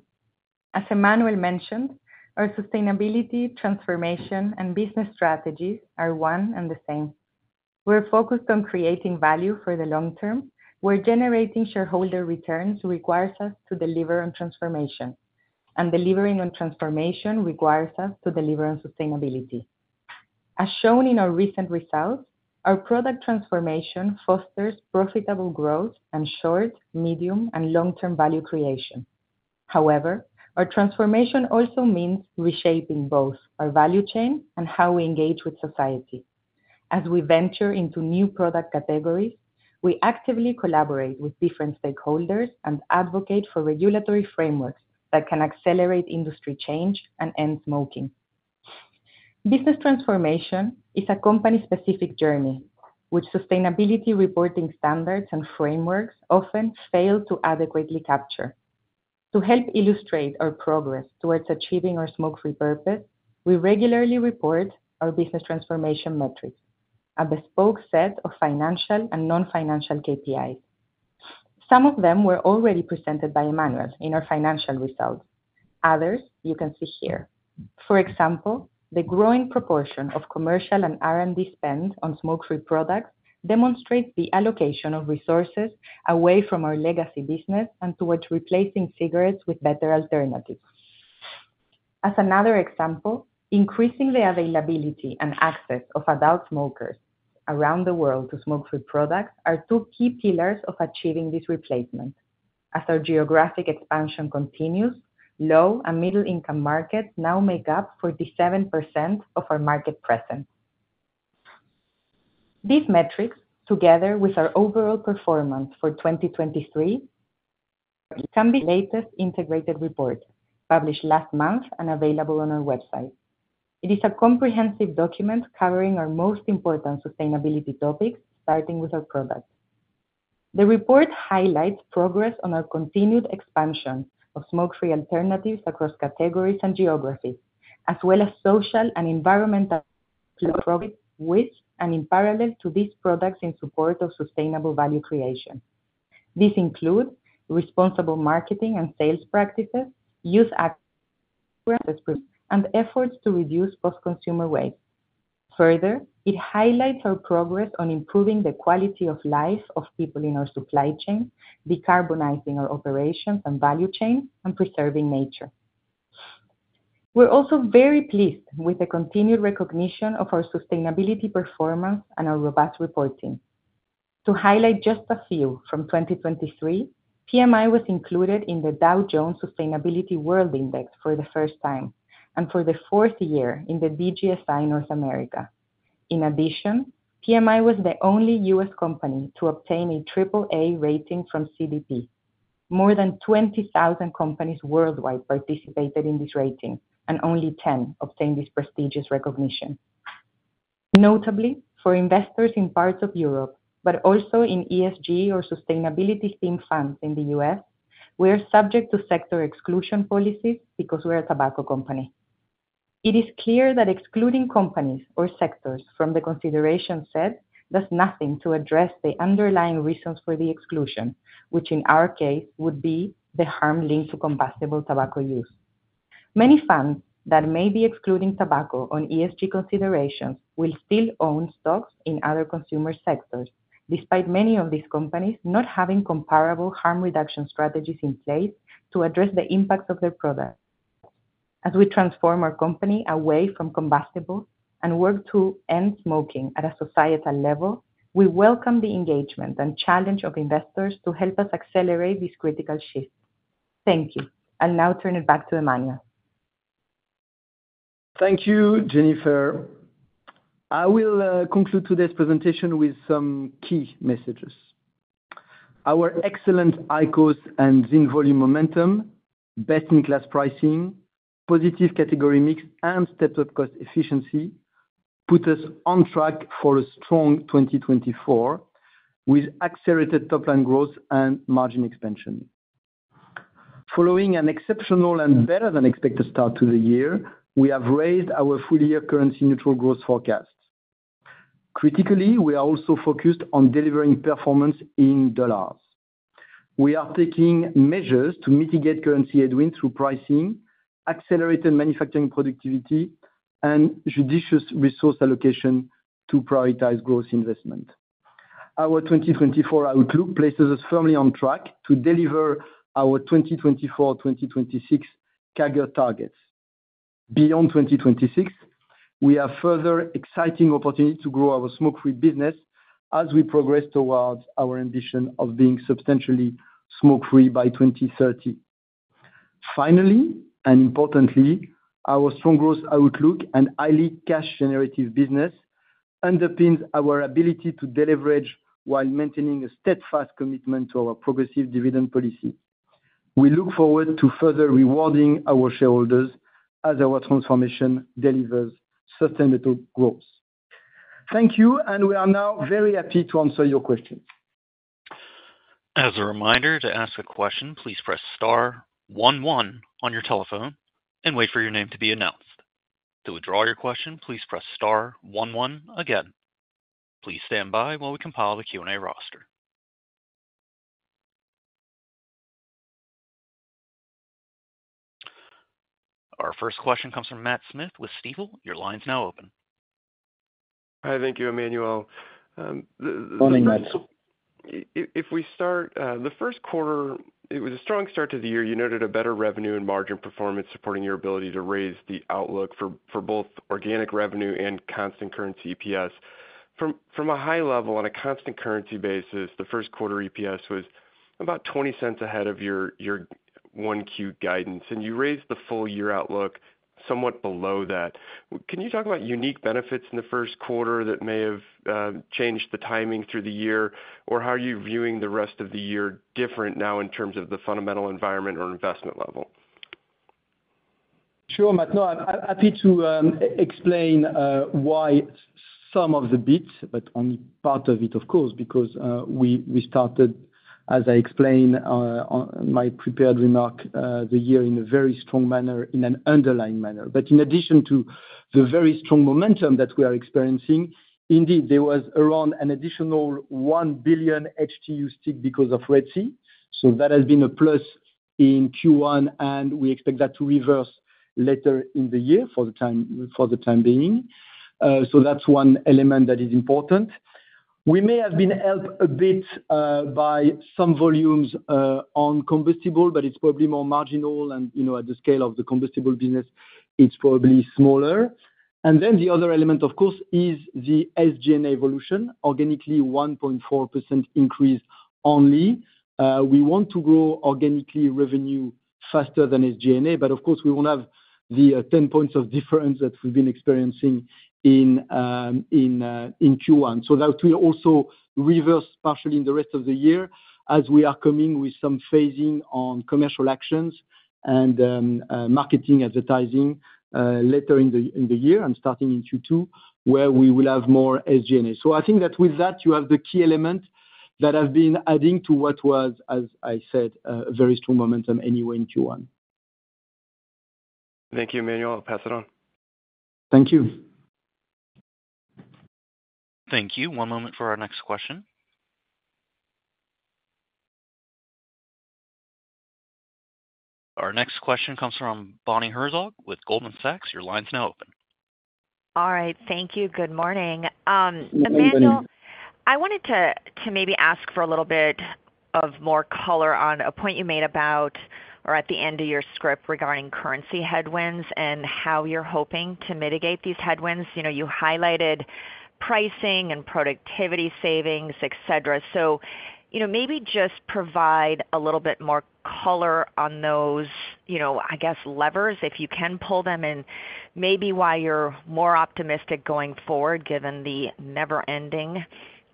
As Emmanuel mentioned, our sustainability, transformation, and business strategies are one and the same. We're focused on creating value for the long term, where generating shareholder returns requires us to deliver on transformation, and delivering on transformation requires us to deliver on sustainability. As shown in our recent results, our product transformation fosters profitable growth and short, medium, and long-term value creation. However, our transformation also means reshaping both our value chain and how we engage with society. As we venture into new product categories, we actively collaborate with different stakeholders and advocate for regulatory frameworks that can accelerate industry change and end smoking. Business transformation is a company-specific journey, which sustainability reporting standards and frameworks often fail to adequately capture. To help illustrate our progress towards achieving our smoke-free purpose, we regularly report our business transformation metrics, a bespoke set of financial and non-financial KPIs. Some of them were already presented by Emmanuel in our financial results. Others you can see here. For example, the growing proportion of commercial and R&D spend on smoke-free products demonstrates the allocation of resources away from our legacy business and towards replacing cigarettes with better alternatives. As another example, increasing the availability and access of adult smokers around the world to smoke-free products are two key pillars of achieving this replacement. As our geographic expansion continues, low and middle income markets now make up 47% of our market presence. These metrics, together with our overall performance for 2023, can be latest integrated report, published last month and available on our website. It is a comprehensive document covering our most important sustainability topics, starting with our products. The report highlights progress on our continued expansion of smoke-free alternatives across categories and geographies, as well as social and environmental progress, with and in parallel to these products in support of sustainable value creation. This includes responsible marketing and sales practices, youth access, and efforts to reduce post-consumer waste. Further, it highlights our progress on improving the quality of life of people in our supply chain, decarbonizing our operations and value chain, and preserving nature. We're also very pleased with the continued recognition of our sustainability performance and our robust reporting. To highlight just a few from 2023, PMI was included in the Dow Jones Sustainability World Index for the first time, and for the fourth year in the DJSI North America. In addition, PMI was the only U.S. company to obtain a triple A rating from CDP. More than 20,000 companies worldwide participated in this rating, and only 10 obtained this prestigious recognition. Notably, for investors in parts of Europe, but also in ESG or sustainability-themed funds in the U.S., we are subject to sector exclusion policies because we're a tobacco company. It is clear that excluding companies or sectors from the consideration set does nothing to address the underlying reasons for the exclusion, which in our case, would be the harm linked to combustible tobacco use. Many funds that may be excluding tobacco on ESG considerations will still own stocks in other consumer sectors, despite many of these companies not having comparable harm reduction strategies in place to address the impacts of their products. As we transform our company away from combustible and work to end smoking at a societal level, we welcome the engagement and challenge of investors to help us accelerate this critical shift. Thank you. I'll now turn it back to Emmanuel. Thank you, Jennifer. I will conclude today's presentation with some key messages. Our excellent IQOS and VEEV volume momentum, best-in-class pricing, positive category mix, and stepped-up cost efficiency put us on track for a strong 2024, with accelerated top line growth and margin expansion. Following an exceptional and better than expected start to the year, we have raised our full year currency neutral growth forecast. Critically, we are also focused on delivering performance in dollars. We are taking measures to mitigate currency headwind through pricing, accelerated manufacturing productivity, and judicious resource allocation to prioritize growth investment. Our 2024 outlook places us firmly on track to deliver our 2024-2026 CAGR targets. Beyond 2026, we have further exciting opportunities to grow our smoke-free business as we progress towards our ambition of being substantially smoke-free by 2030. Finally, and importantly, our strong growth outlook and highly cash generative business underpins our ability to deleverage while maintaining a steadfast commitment to our progressive dividend policy. We look forward to further rewarding our shareholders as our transformation delivers sustainable growth. Thank you, and we are now very happy to answer your questions. As a reminder, to ask a question, please press star one one on your telephone and wait for your name to be announced. To withdraw your question, please press star one one again. Please stand by while we compile the Q&A roster. Our first question comes from Matt Smith with Stifel. Your line's now open. Hi. Thank you, Emmanuel. Morning, Matt. If we start the first quarter, it was a strong start to the year. You noted a better revenue and margin performance, supporting your ability to raise the outlook for both organic revenue and constant currency EPS. From a high level, on a constant currency basis, the first quarter EPS was about $0.20 ahead of your 1Q guidance, and you raised the full year outlook somewhat below that. Can you talk about unique benefits in the first quarter that may have changed the timing through the year? Or how are you viewing the rest of the year different now in terms of the fundamental environment or investment level? Sure, Matt. No, I'm happy to explain why some of the bits, but only part of it, of course, because we started, as I explained, on my prepared remark, the year in a very strong manner, in an underlying manner. But in addition to the very strong momentum that we are experiencing, indeed, there was around an additional one billion HTU stick because of Red Sea. So that has been a plus in Q1, and we expect that to reverse later in the year for the time being. So that's one element that is important. We may have been helped a bit by some volumes on combustible, but it's probably more marginal and, you know, at the scale of the combustible business, it's probably smaller. And then the other element, of course, is the SG&A evolution, organically, 1.4% increase only. We want to grow organically revenue faster than SG&A, but of course, we won't have the ten points of difference that we've been experiencing in Q1. So that will also reverse partially in the rest of the year, as we are coming with some phasing on commercial actions and marketing, advertising later in the year and starting in Q2, where we will have more SG&A. So I think that with that, you have the key elements that have been adding to what was, as I said, a very strong momentum anyway in Q1. Thank you, Emmanuel. I'll pass it on. Thank you. Thank you. One moment for our next question. Our next question comes from Bonnie Herzog with Goldman Sachs. Your line's now open. All right. Thank you. Good morning. Good morning. Emmanuel, I wanted to maybe ask for a little bit of more color on a point you made about, or at the end of your script, regarding currency headwinds and how you're hoping to mitigate these headwinds. You know, you highlighted pricing and productivity savings, et cetera. So, you know, maybe just provide a little bit more color on those, you know, I guess, levers, if you can pull them, and maybe why you're more optimistic going forward, given the never-ending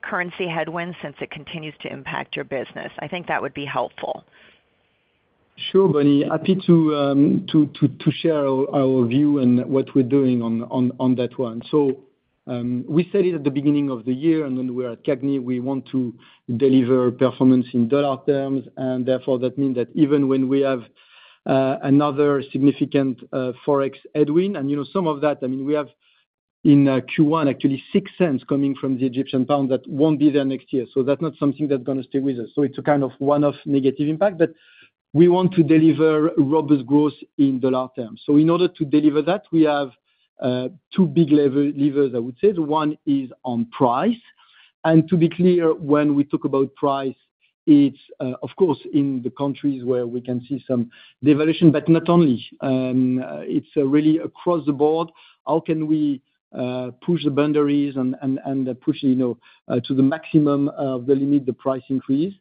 currency headwinds, since it continues to impact your business. I think that would be helpful. Sure, Bonnie, happy to to share our view and what we're doing on that one. So we said it at the beginning of the year, and then we're at CAGNY, we want to deliver performance in dollar terms, and therefore that mean that even when we have another significant Forex headwind, and you know, some of that, I mean, we have in Q1, actually 6 cents coming from the Egyptian pound, that won't be there next year. So that's not something that's gonna stay with us. So, it's a kind of one-off negative impact, but we want to deliver robust growth in dollar terms. So, in order to deliver that, we have two big levers, I would say. The one is on price. To be clear, when we talk about price, it's, of course, in the countries where we can see some devaluation, but not only. It's really across the board, how can we push the boundaries and push, you know, to the maximum of the limit, the price increase?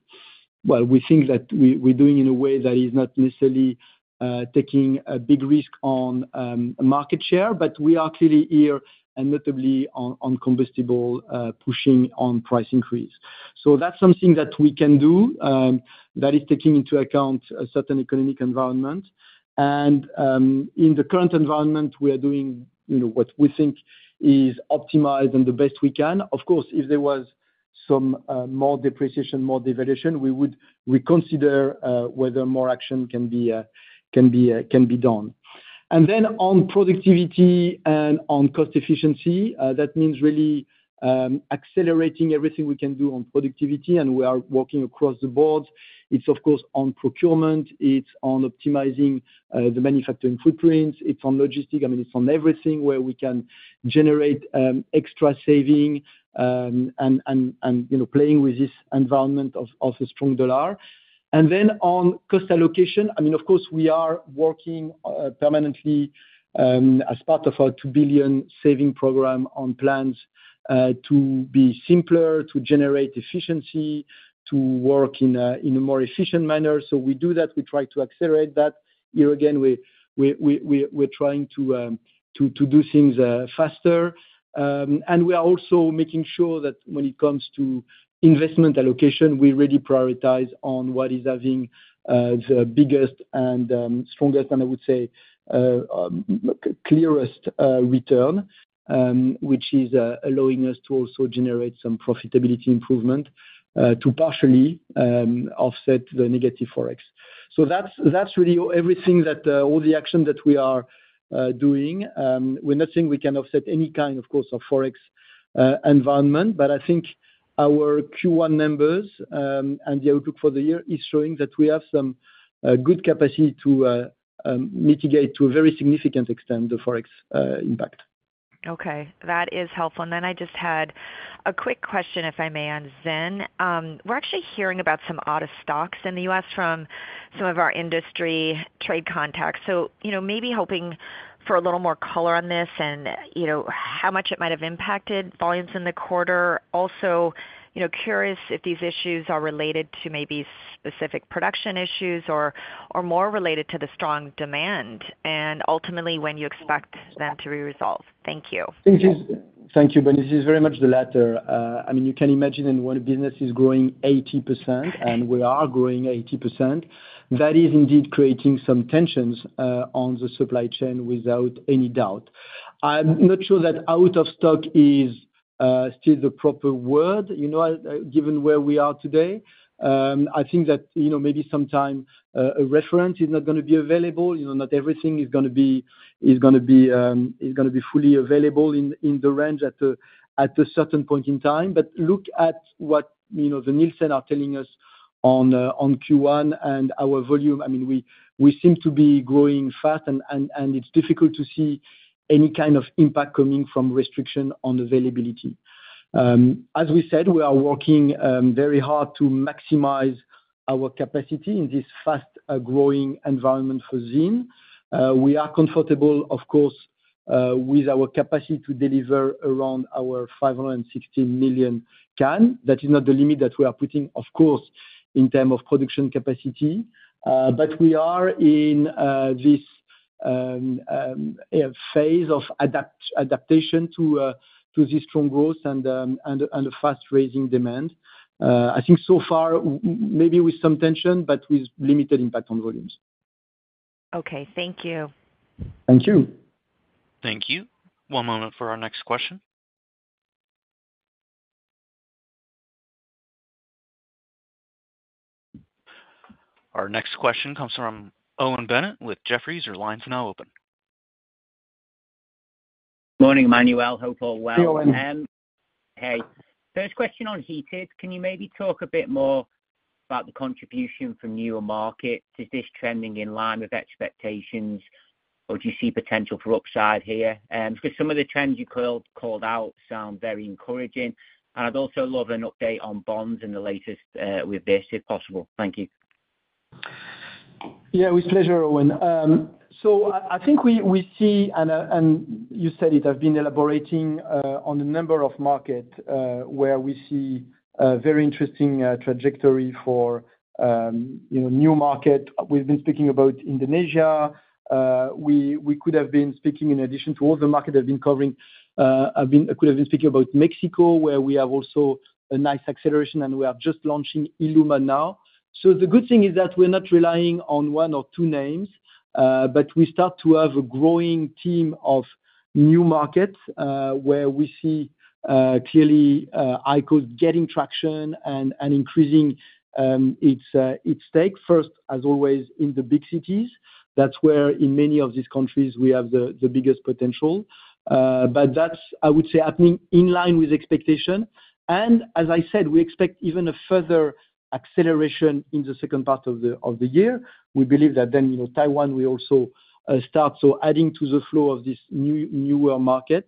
Well, we think that we're doing in a way that is not necessarily taking a big risk on market share, but we are clearly here, and notably on combustible pushing on price increase. So that's something that we can do that is taking into account a certain economic environment. In the current environment, we are doing, you know, what we think is optimized and the best we can. Of course, if there was some more depreciation, more devaluation, we would reconsider whether more action can be done. And then on productivity and on cost efficiency, that means really accelerating everything we can do on productivity, and we are working across the board. It's of course on procurement, it's on optimizing the manufacturing footprints, it's on logistics, I mean, it's on everything where we can generate extra savings, and you know, playing with this environment of a strong dollar. And then on cost allocation, I mean, of course, we are working permanently as part of our $2 billion savings program on plans to be simpler, to generate efficiency, to work in a more efficient manner. So, we do that, we try to accelerate that. Here again, we're trying to do things faster. And we are also making sure that when it comes to investment allocation, we really prioritize on what is having the biggest and strongest, and I would say clearest return, which is allowing us to also generate some profitability improvement to partially offset the negative Forex. So that's really everything that all the action that we are doing. We're not saying we can offset any kind, of course, of Forex environment, but I think our Q1 numbers and the outlook for the year is showing that we have some good capacity to mitigate to a very significant extent the Forex impact. Okay, that is helpful. And then I just had a quick question, if I may, on ZYN. We're actually hearing about some out of stocks in the U.S. from some of our industry trade contacts. So, you know, maybe hoping for a little more color on this and, you know, how much it might have impacted volumes in the quarter. Also, you know, curious if these issues are related to maybe specific production issues or, or more related to the strong demand, and ultimately when you expect them to be resolved. Thank you. Thank you. Thank you, Bonnie. This is very much the latter. I mean, you can imagine when a business is growing 80%, and we are growing 80%, that is indeed creating some tensions on the supply chain without any doubt. I'm not sure that out of stock is still the proper word, you know, given where we are today. I think that, you know, maybe sometime a reference is not gonna be available. You know, not everything is gonna be, is gonna be, is gonna be fully available in, in the range at a, at a certain point in time. But look at what, you know, the Nielsen are telling us on, on Q1 and our volume. I mean, we seem to be growing fast and it's difficult to see any kind of impact coming from restriction on availability. As we said, we are working very hard to maximize our capacity in this fast-growing environment for ZYN. We are comfortable, of course, with our capacity to deliver around our 560 million can. That is not the limit that we are putting, of course, in terms of production capacity, but we are in this a phase of adaptation to this strong growth and fast-rising demand. I think so far, maybe with some tension, but with limited impact on volumes. Okay, thank you. Thank you. Thank you. One moment for our next question. Our next question comes from Owen Bennett with Jefferies. Your line is now open. Morning, Emmanuel, hope all well. Hey, Owen. Hey. First question on heated, can you maybe talk a bit more about the contribution from newer markets? Is this trending in line with expectations, or do you see potential for upside here? Because some of the trends you called out sound very encouraging. And I'd also love an update on BONDS and the latest with this, if possible. Thank you. Yeah, with pleasure, Owen. So, I think we see and you said it, I've been elaborating on the number of markets where we see a very interesting trajectory for, you know, new markets. We've been speaking about Indonesia. We could have been speaking in addition to all the markets I've been covering, I could have been speaking about Mexico, where we have also a nice acceleration, and we are just launching ILUMA now. So the good thing is that we're not relying on one or two names, but we start to have a growing team of new markets where we see clearly IQOS getting traction and increasing its stake. First, as always, in the big cities, that's where, in many of these countries, we have the biggest potential. But that's, I would say, happening in line with expectation. And as I said, we expect even a further acceleration in the second part of the year. We believe that then, you know, Taiwan will also start, so adding to the flow of this newer market.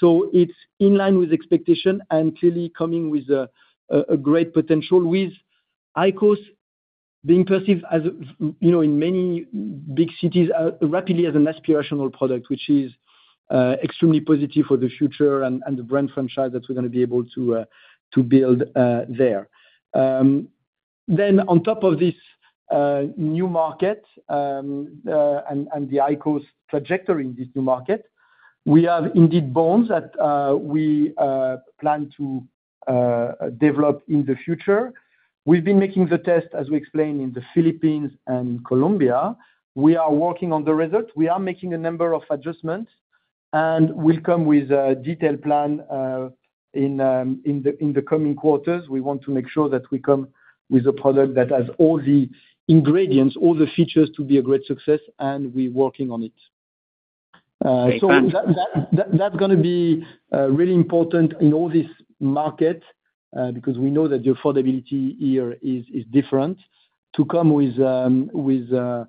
So it's in line with expectation and clearly coming with a great potential, with IQOS being perceived as you know, in many big cities, rapidly as an aspirational product, which is extremely positive for the future and the brand franchise that we're gonna be able to build there. Then on top of this, new market, and the IQOS trajectory in this new market, we have indeed BONDS that we plan to develop in the future. We've been making the test, as we explained, in the Philippines and Colombia. We are working on the result. We are making a number of adjustments, and we'll come with a detailed plan, in the coming quarters. We want to make sure that we come with a product that has all the ingredients, all the features to be a great success, and we're working on it. Great, thanks. So that's gonna be really important in all this market because we know that the affordability here is different. To come with a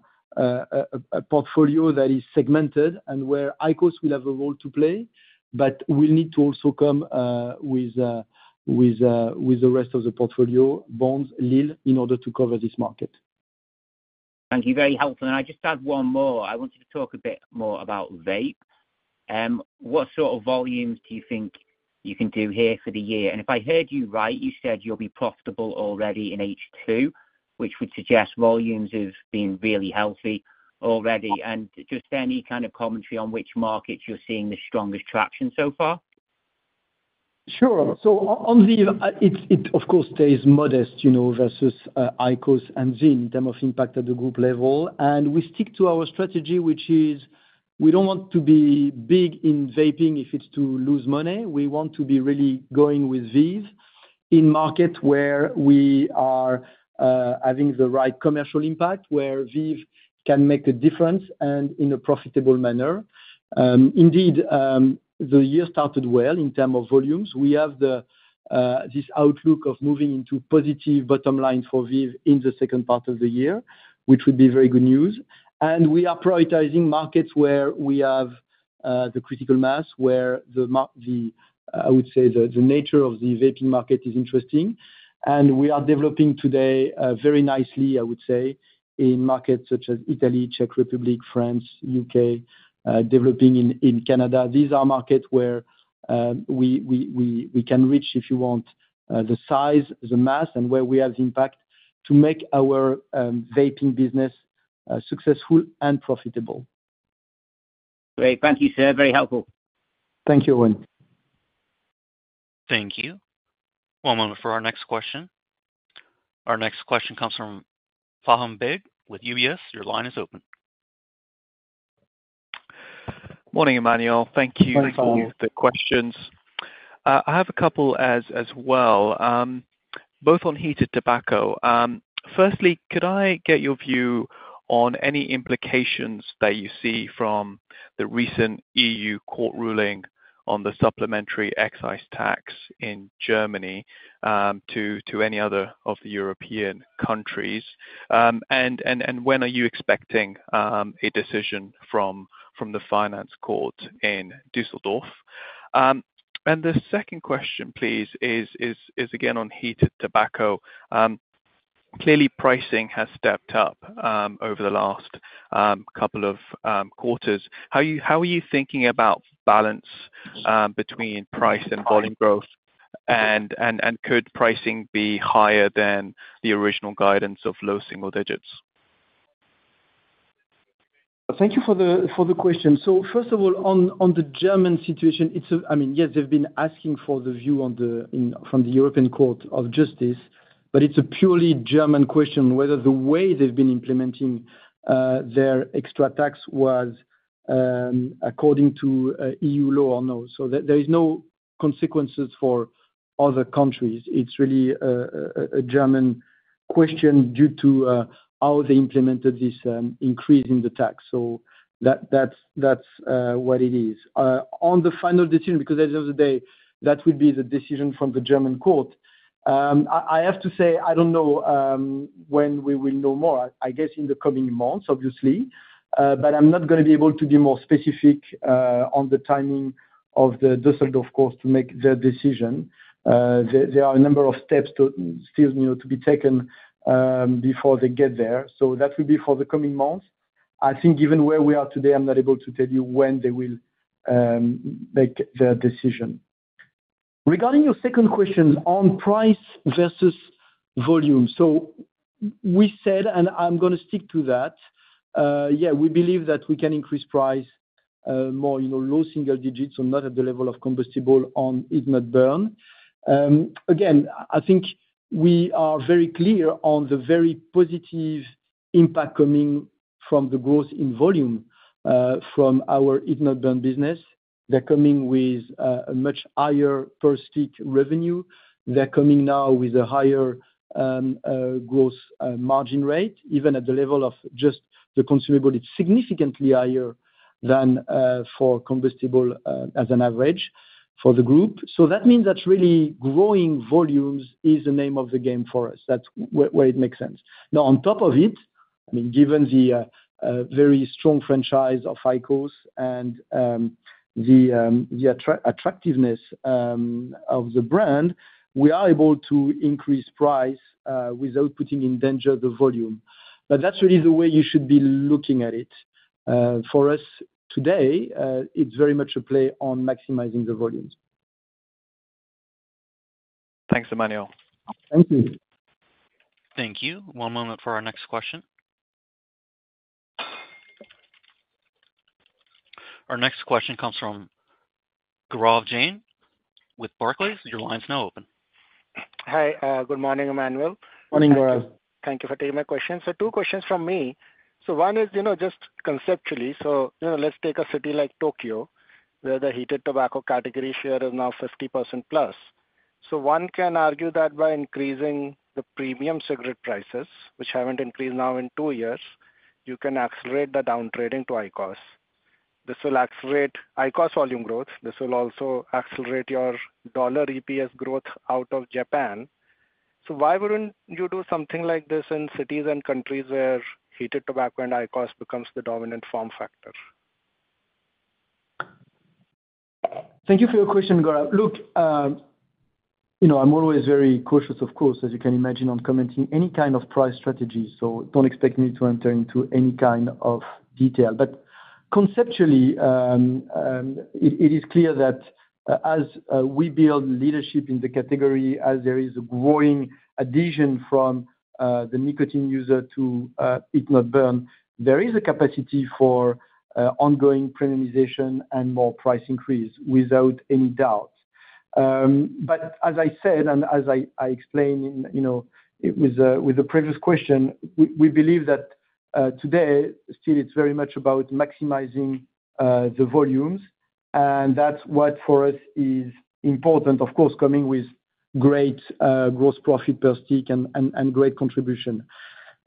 portfolio that is segmented and where IQOS will have a role to play, but we'll need to also come with the rest of the portfolio BONDS, lil, in order to cover this market. Thank you. Very helpful. And I just add one more. I want you to talk a bit more about vape. What sort of volumes do you think you can do here for the year? And if I heard you right, you said you'll be profitable already in H2, which would suggest volumes have been really healthy already. And just any kind of commentary on which markets you're seeing the strongest traction so far? Sure. So on the, it of course stays modest, you know, versus IQOS and VEEV in terms of impact at the group level. And we stick to our strategy, which is we don't want to be big in vaping if it's to lose money. We want to be really going with VEEV in market where we are having the right commercial impact, where VEEV can make a difference and in a profitable manner. Indeed, the year started well in terms of volumes. We have this outlook of moving into positive bottom line for VEEV in the second part of the year, which would be very good news. And we are prioritizing markets where we have the critical mass, where the, I would say, the nature of the vaping market is interesting. We are developing today very nicely, I would say, in markets such as Italy, Czech Republic, France, U.K., developing in Canada. These are markets where we can reach, if you want, the size, the mass, and where we have the impact to make our vaping business successful and profitable. Great. Thank you, sir. Very helpful. Thank you, Owen. Thank you. One moment for our next question. Our next question comes from Faham Baig with UBS. Your line is open. Morning, Emmanuel. Thank you. Hi, Faham. For all the questions. I have a couple as well, both on heated tobacco. Firstly, could I get your view on any implications that you see from the recent EU court ruling on the supplementary excise tax in Germany, to any other of the European countries? And when are you expecting a decision from the finance court in Düsseldorf? And the second question, please, is again on heated tobacco. Clearly pricing has stepped up over the last couple of quarters. How are you thinking about balance between price and volume growth? And could pricing be higher than the original guidance of low single digits? Thank you for the question. So first of all, on the German situation, it's a... I mean, yes, they've been asking for the view from the European Court of Justice, but it's a purely German question, whether the way they've been implementing their extra tax was according to EU law or no. So there is no consequences for other countries. It's really a German question due to how they implemented this increase in the tax. So that's what it is. On the final decision, because at the end of the day, that would be the decision from the German court, I have to say, I don't know when we will know more. I, I guess in the coming months, obviously, but I'm not gonna be able to be more specific, on the timing of the Düsseldorf court to make their decision. There, there are a number of steps to, still need to be taken, before they get there. So that will be for the coming months. I think given where we are today, I'm not able to tell you when they will, make their decision. Regarding your second question on price versus volume. So we said, and I'm gonna stick to that, yeah, we believe that we can increase price, more, you know, low single digits or not at the level of combustible on heat-not-burn. Again, I think we are very clear on the very positive impact coming from the growth in volume, from our heat-not-burn business. They're coming with a much higher per stick revenue. They're coming now with a higher growth margin rate, even at the level of just the consumable, it's significantly higher than for combustible as an average for the group. So that means that really growing volumes is the name of the game for us. That's where it makes sense. Now, on top of it, I mean, given the very strong franchise of IQOS and the attractiveness of the brand, we are able to increase price without putting in danger the volume. But that's really the way you should be looking at it. For us today, it's very much a play on maximizing the volumes. Thanks, Emmanuel. Thank you. Thank you. One moment for our next question. Our next question comes from Gaurav Jain with Barclays. Your line is now open. Hi, good morning, Emmanuel. Morning, Gaurav. Thank you for taking my question. So 2 questions from me. So one is, you know, just conceptually, so, you know, let's take a city like Tokyo, where the heated tobacco category share is now 50%+. So one can argue that by increasing the premium cigarette prices, which haven't increased now in 2 years, you can accelerate the down trade into IQOS. This will accelerate IQOS volume growth, this will also accelerate your dollar EPS growth out of Japan. So why wouldn't you do something like this in cities and countries where heated tobacco and IQOS becomes the dominant form factor? Thank you for your question, Gaurav. Look, you know, I'm always very cautious, of course, as you can imagine, on commenting any kind of price strategy, so don't expect me to enter into any kind of detail. But conceptually, it is clear that as we build leadership in the category, as there is a growing addition from the nicotine user to heat-not-burn, there is a capacity for ongoing premiumization and more price increase, without any doubt. But as I said, and as I explained in, you know, with the previous question, we believe that today, still it's very much about maximizing the volumes, and that's what for us is important, of course, coming with great gross profit per stick and great contribution.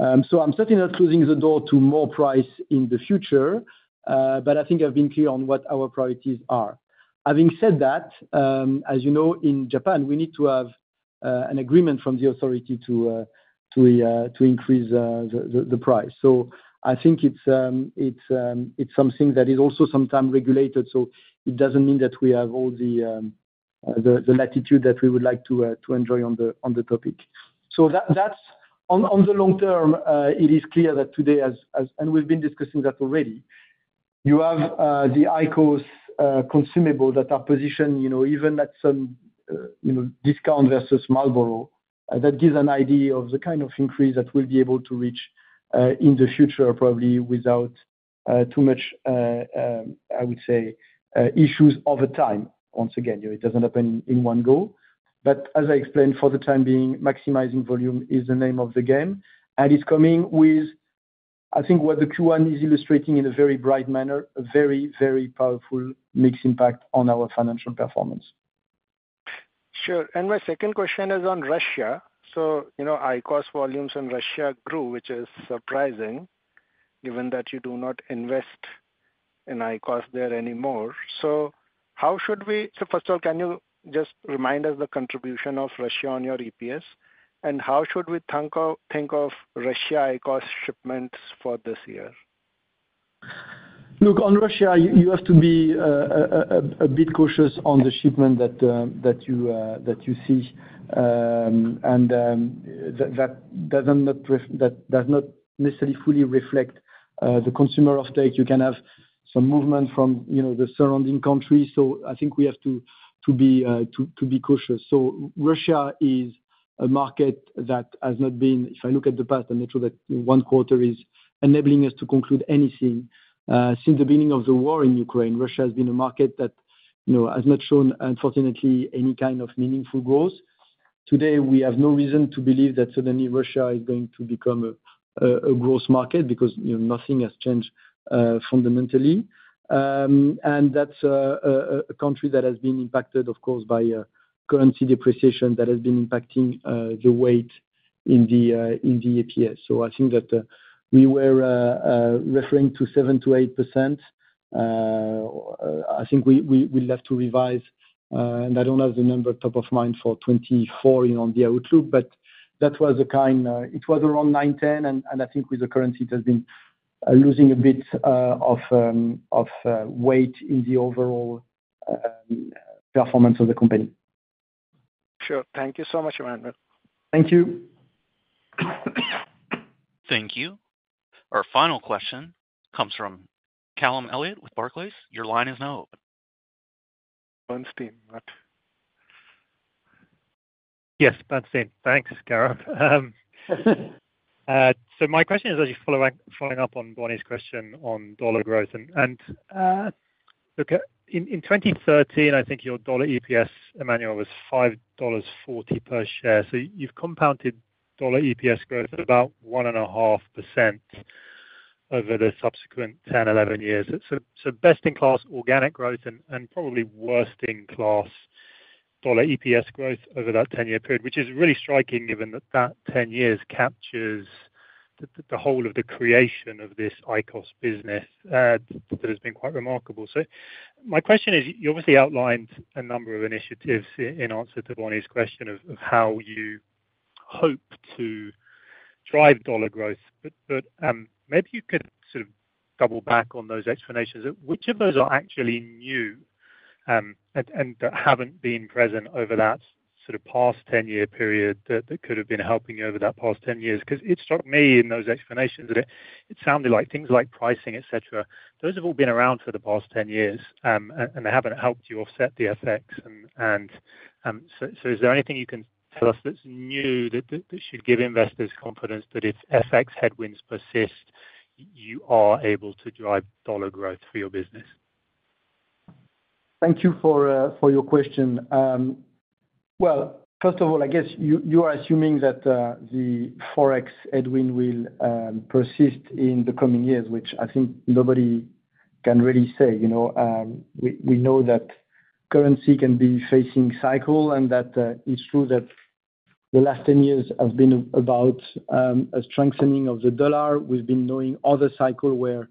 So I'm certainly not closing the door to more price in the future, but I think I've been clear on what our priorities are. Having said that, as you know, in Japan, we need to have an agreement from the authority to increase the price. So I think it's something that is also sometimes regulated, so it doesn't mean that we have all the latitude that we would like to enjoy on the topic. So that's. On the long term, it is clear that today, as – and we've been discussing that already, you have the IQOS consumable that are positioned, you know, even at some discount versus Marlboro, that gives an idea of the kind of increase that we'll be able to reach in the future, probably without too much, I would say, issues over time. Once again, you know, it doesn't happen in one go. But as I explained, for the time being, maximizing volume is the name of the game, and it's coming with, I think, what the Q1 is illustrating in a very bright manner, a very, very powerful mix impact on our financial performance. Sure. My second question is on Russia. So, you know, IQOS volumes in Russia grew, which is surprising, given that you do not invest in IQOS there anymore. So how should we. So first of all, can you just remind us the contribution of Russia on your EPS? And how should we think of, think of Russia IQOS shipments for this year? Look, on Russia, you have to be a bit cautious on the shipment that you see. And that does not necessarily fully reflect the consumer off-take. You can have some movement from, you know, the surrounding country, so I think we have to be cautious. So Russia is a market that has not been... If I look at the past, I'm not sure that one quarter is enabling us to conclude anything. Since the beginning of the war in Ukraine, Russia has been a market that, you know, has not shown, unfortunately, any kind of meaningful growth. Today, we have no reason to believe that suddenly Russia is going to become a growth market because, you know, nothing has changed fundamentally. And that's a country that has been impacted, of course, by a currency depreciation that has been impacting the weight in the EPS. So I think that we were referring to 7%-8%. I think we'll have to revise, and I don't have the number top of mind for 2024, you know, on the outlook, but that was the kind. It was around nine, 10, and I think with the currency, it has been losing a bit of weight in the overall performance of the company. Sure. Thank you so much, Emmanuel. Thank you. Thank you. Our final question comes from Callum Elliott with Barclays. Your line is now open. Bernstein, right? Yes, Bernstein. Thanks, Karim. So my question is actually a follow up on Bonnie's question on dollar growth, and look, in 2013, I think your dollar EPS, Emmanuel, was $5.40 per share. So you've compounded dollar EPS growth at about 1.5% over the subsequent 10-11 years. So best in class organic growth and probably worst in class dollar EPS growth over that 10-year period, which is really striking, given that that 10 years captures the whole of the creation of this IQOS business that has been quite remarkable. So my question is, you obviously outlined a number of initiatives in answer to Bonnie's question of how you hope to drive dollar growth. But maybe you could sort of double back on those explanations. Which of those are actually new, and that haven't been present over that sort of past 10-year period, that could have been helping you over that past 10 years? 'Cause it struck me in those explanations that it sounded like things like pricing, et cetera, those have all been around for the past 10 years, and they haven't helped you offset the FX. And so is there anything you can tell us that's new, that should give investors confidence that if FX headwinds persist, you are able to drive dollar growth for your business? Thank you for your question. Well, first of all, I guess you are assuming that the forex headwind will persist in the coming years, which I think nobody can really say, you know? We know that currencies can face cycles, and that it's true that the last 10 years have been about a strengthening of the dollar. We've known other cycles where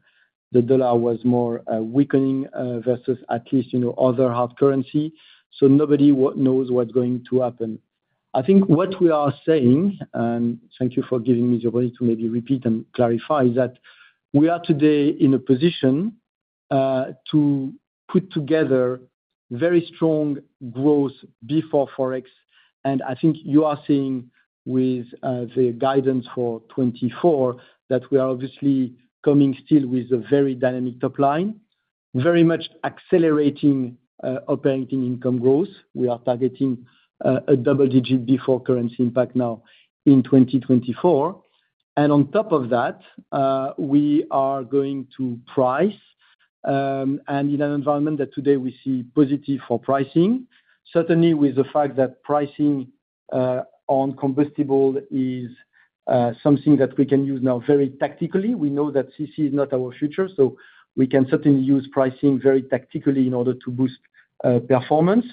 the dollar was more weakening versus at least, you know, other hard currencies, so nobody knows what's going to happen. I think what we are saying, and thank you for giving me the ability to maybe repeat and clarify, is that we are today in a position to put together very strong growth before forex. I think you are seeing with the guidance for 2024, that we are obviously coming still with a very dynamic top line, very much accelerating operating income growth. We are targeting a double-digit before currency impact now in 2024. On top of that, we are going to price and in an environment that today we see positive for pricing, certainly with the fact that pricing on combustible is something that we can use now very tactically. We know that CC is not our future, so we can certainly use pricing very tactically in order to boost performance.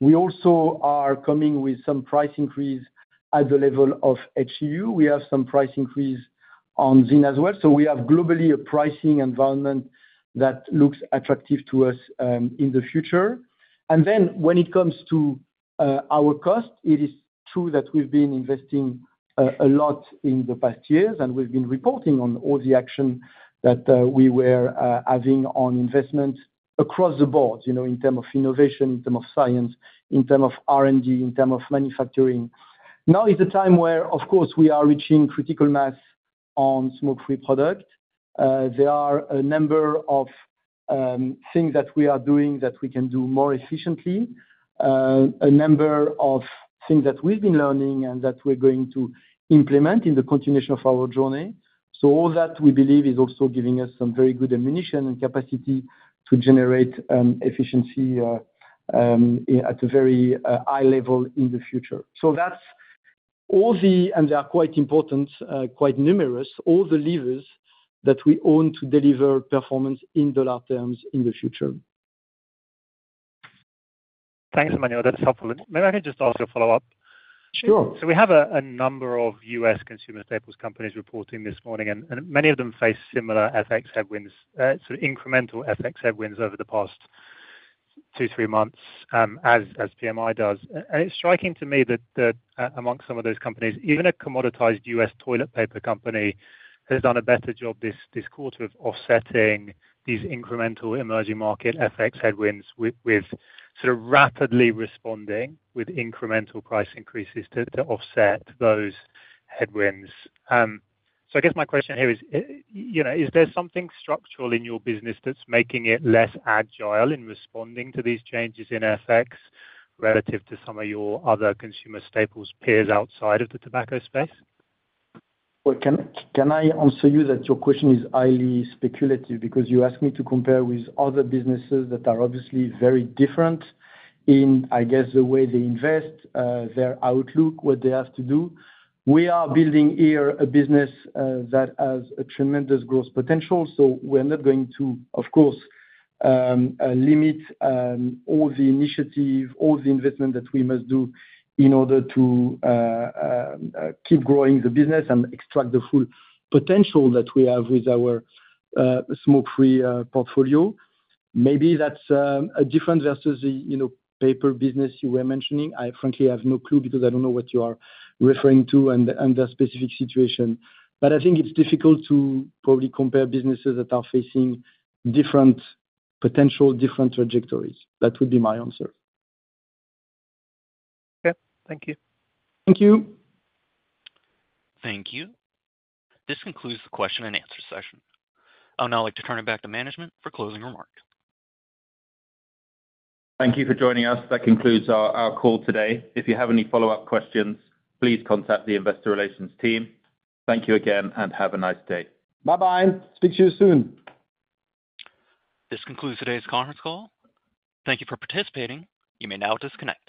We also are coming with some price increase at the level of HTU. We have some price increase on ZYN as well. So we have globally a pricing environment that looks attractive to us in the future. And then when it comes to our cost, it is true that we've been investing a lot in the past years, and we've been reporting on all the action that we were having on investment across the board, you know, in term of innovation, in term of science, in term of R&D, in term of manufacturing. Now is the time where, of course, we are reaching critical mass on smoke-free product. There are a number of things that we are doing that we can do more efficiently, a number of things that we've been learning and that we're going to implement in the continuation of our journey. So all that, we believe, is also giving us some very good ammunition and capacity to generate efficiency at a very high level in the future. So that's all the... and they are quite important, quite numerous, all the levers that we own to deliver performance in dollar terms in the future. Thanks, Emmanuel, that's helpful. Maybe I can just ask you a follow-up? Sure. So we have a number of US consumer staples companies reporting this morning, and many of them face similar FX headwinds, sort of incremental FX headwinds over the past two, three months, as PMI does. It's striking to me that amongst some of those companies, even a commoditized US toilet paper company has done a better job this quarter of offsetting these incremental emerging market FX headwinds with sort of rapidly responding with incremental price increases to offset those headwinds. So I guess my question here is, you know, is there something structural in your business that's making it less agile in responding to these changes in FX, relative to some of your other consumer staples peers outside of the tobacco space? Well, can I answer you that your question is highly speculative, because you asked me to compare with other businesses that are obviously very different in, I guess, the way they invest their outlook, what they have to do. We are building here a business that has a tremendous growth potential, so we're not going to, of course, limit all the initiative, all the investment that we must do in order to keep growing the business and extract the full potential that we have with our smoke-free portfolio. Maybe that's a different versus the, you know, paper business you were mentioning. I frankly have no clue, because I don't know what you are referring to and their specific situation. But I think it's difficult to probably compare businesses that are facing different potential, different trajectories. That would be my answer. Okay. Thank you. Thank you. Thank you. This concludes the question and answer session. I'd now like to turn it back to management for closing remarks. Thank you for joining us. That concludes our call today. If you have any follow-up questions, please contact the investor relations team. Thank you again, and have a nice day. Bye-bye. Speak to you soon. This concludes today's conference call. Thank you for participating, you may now disconnect.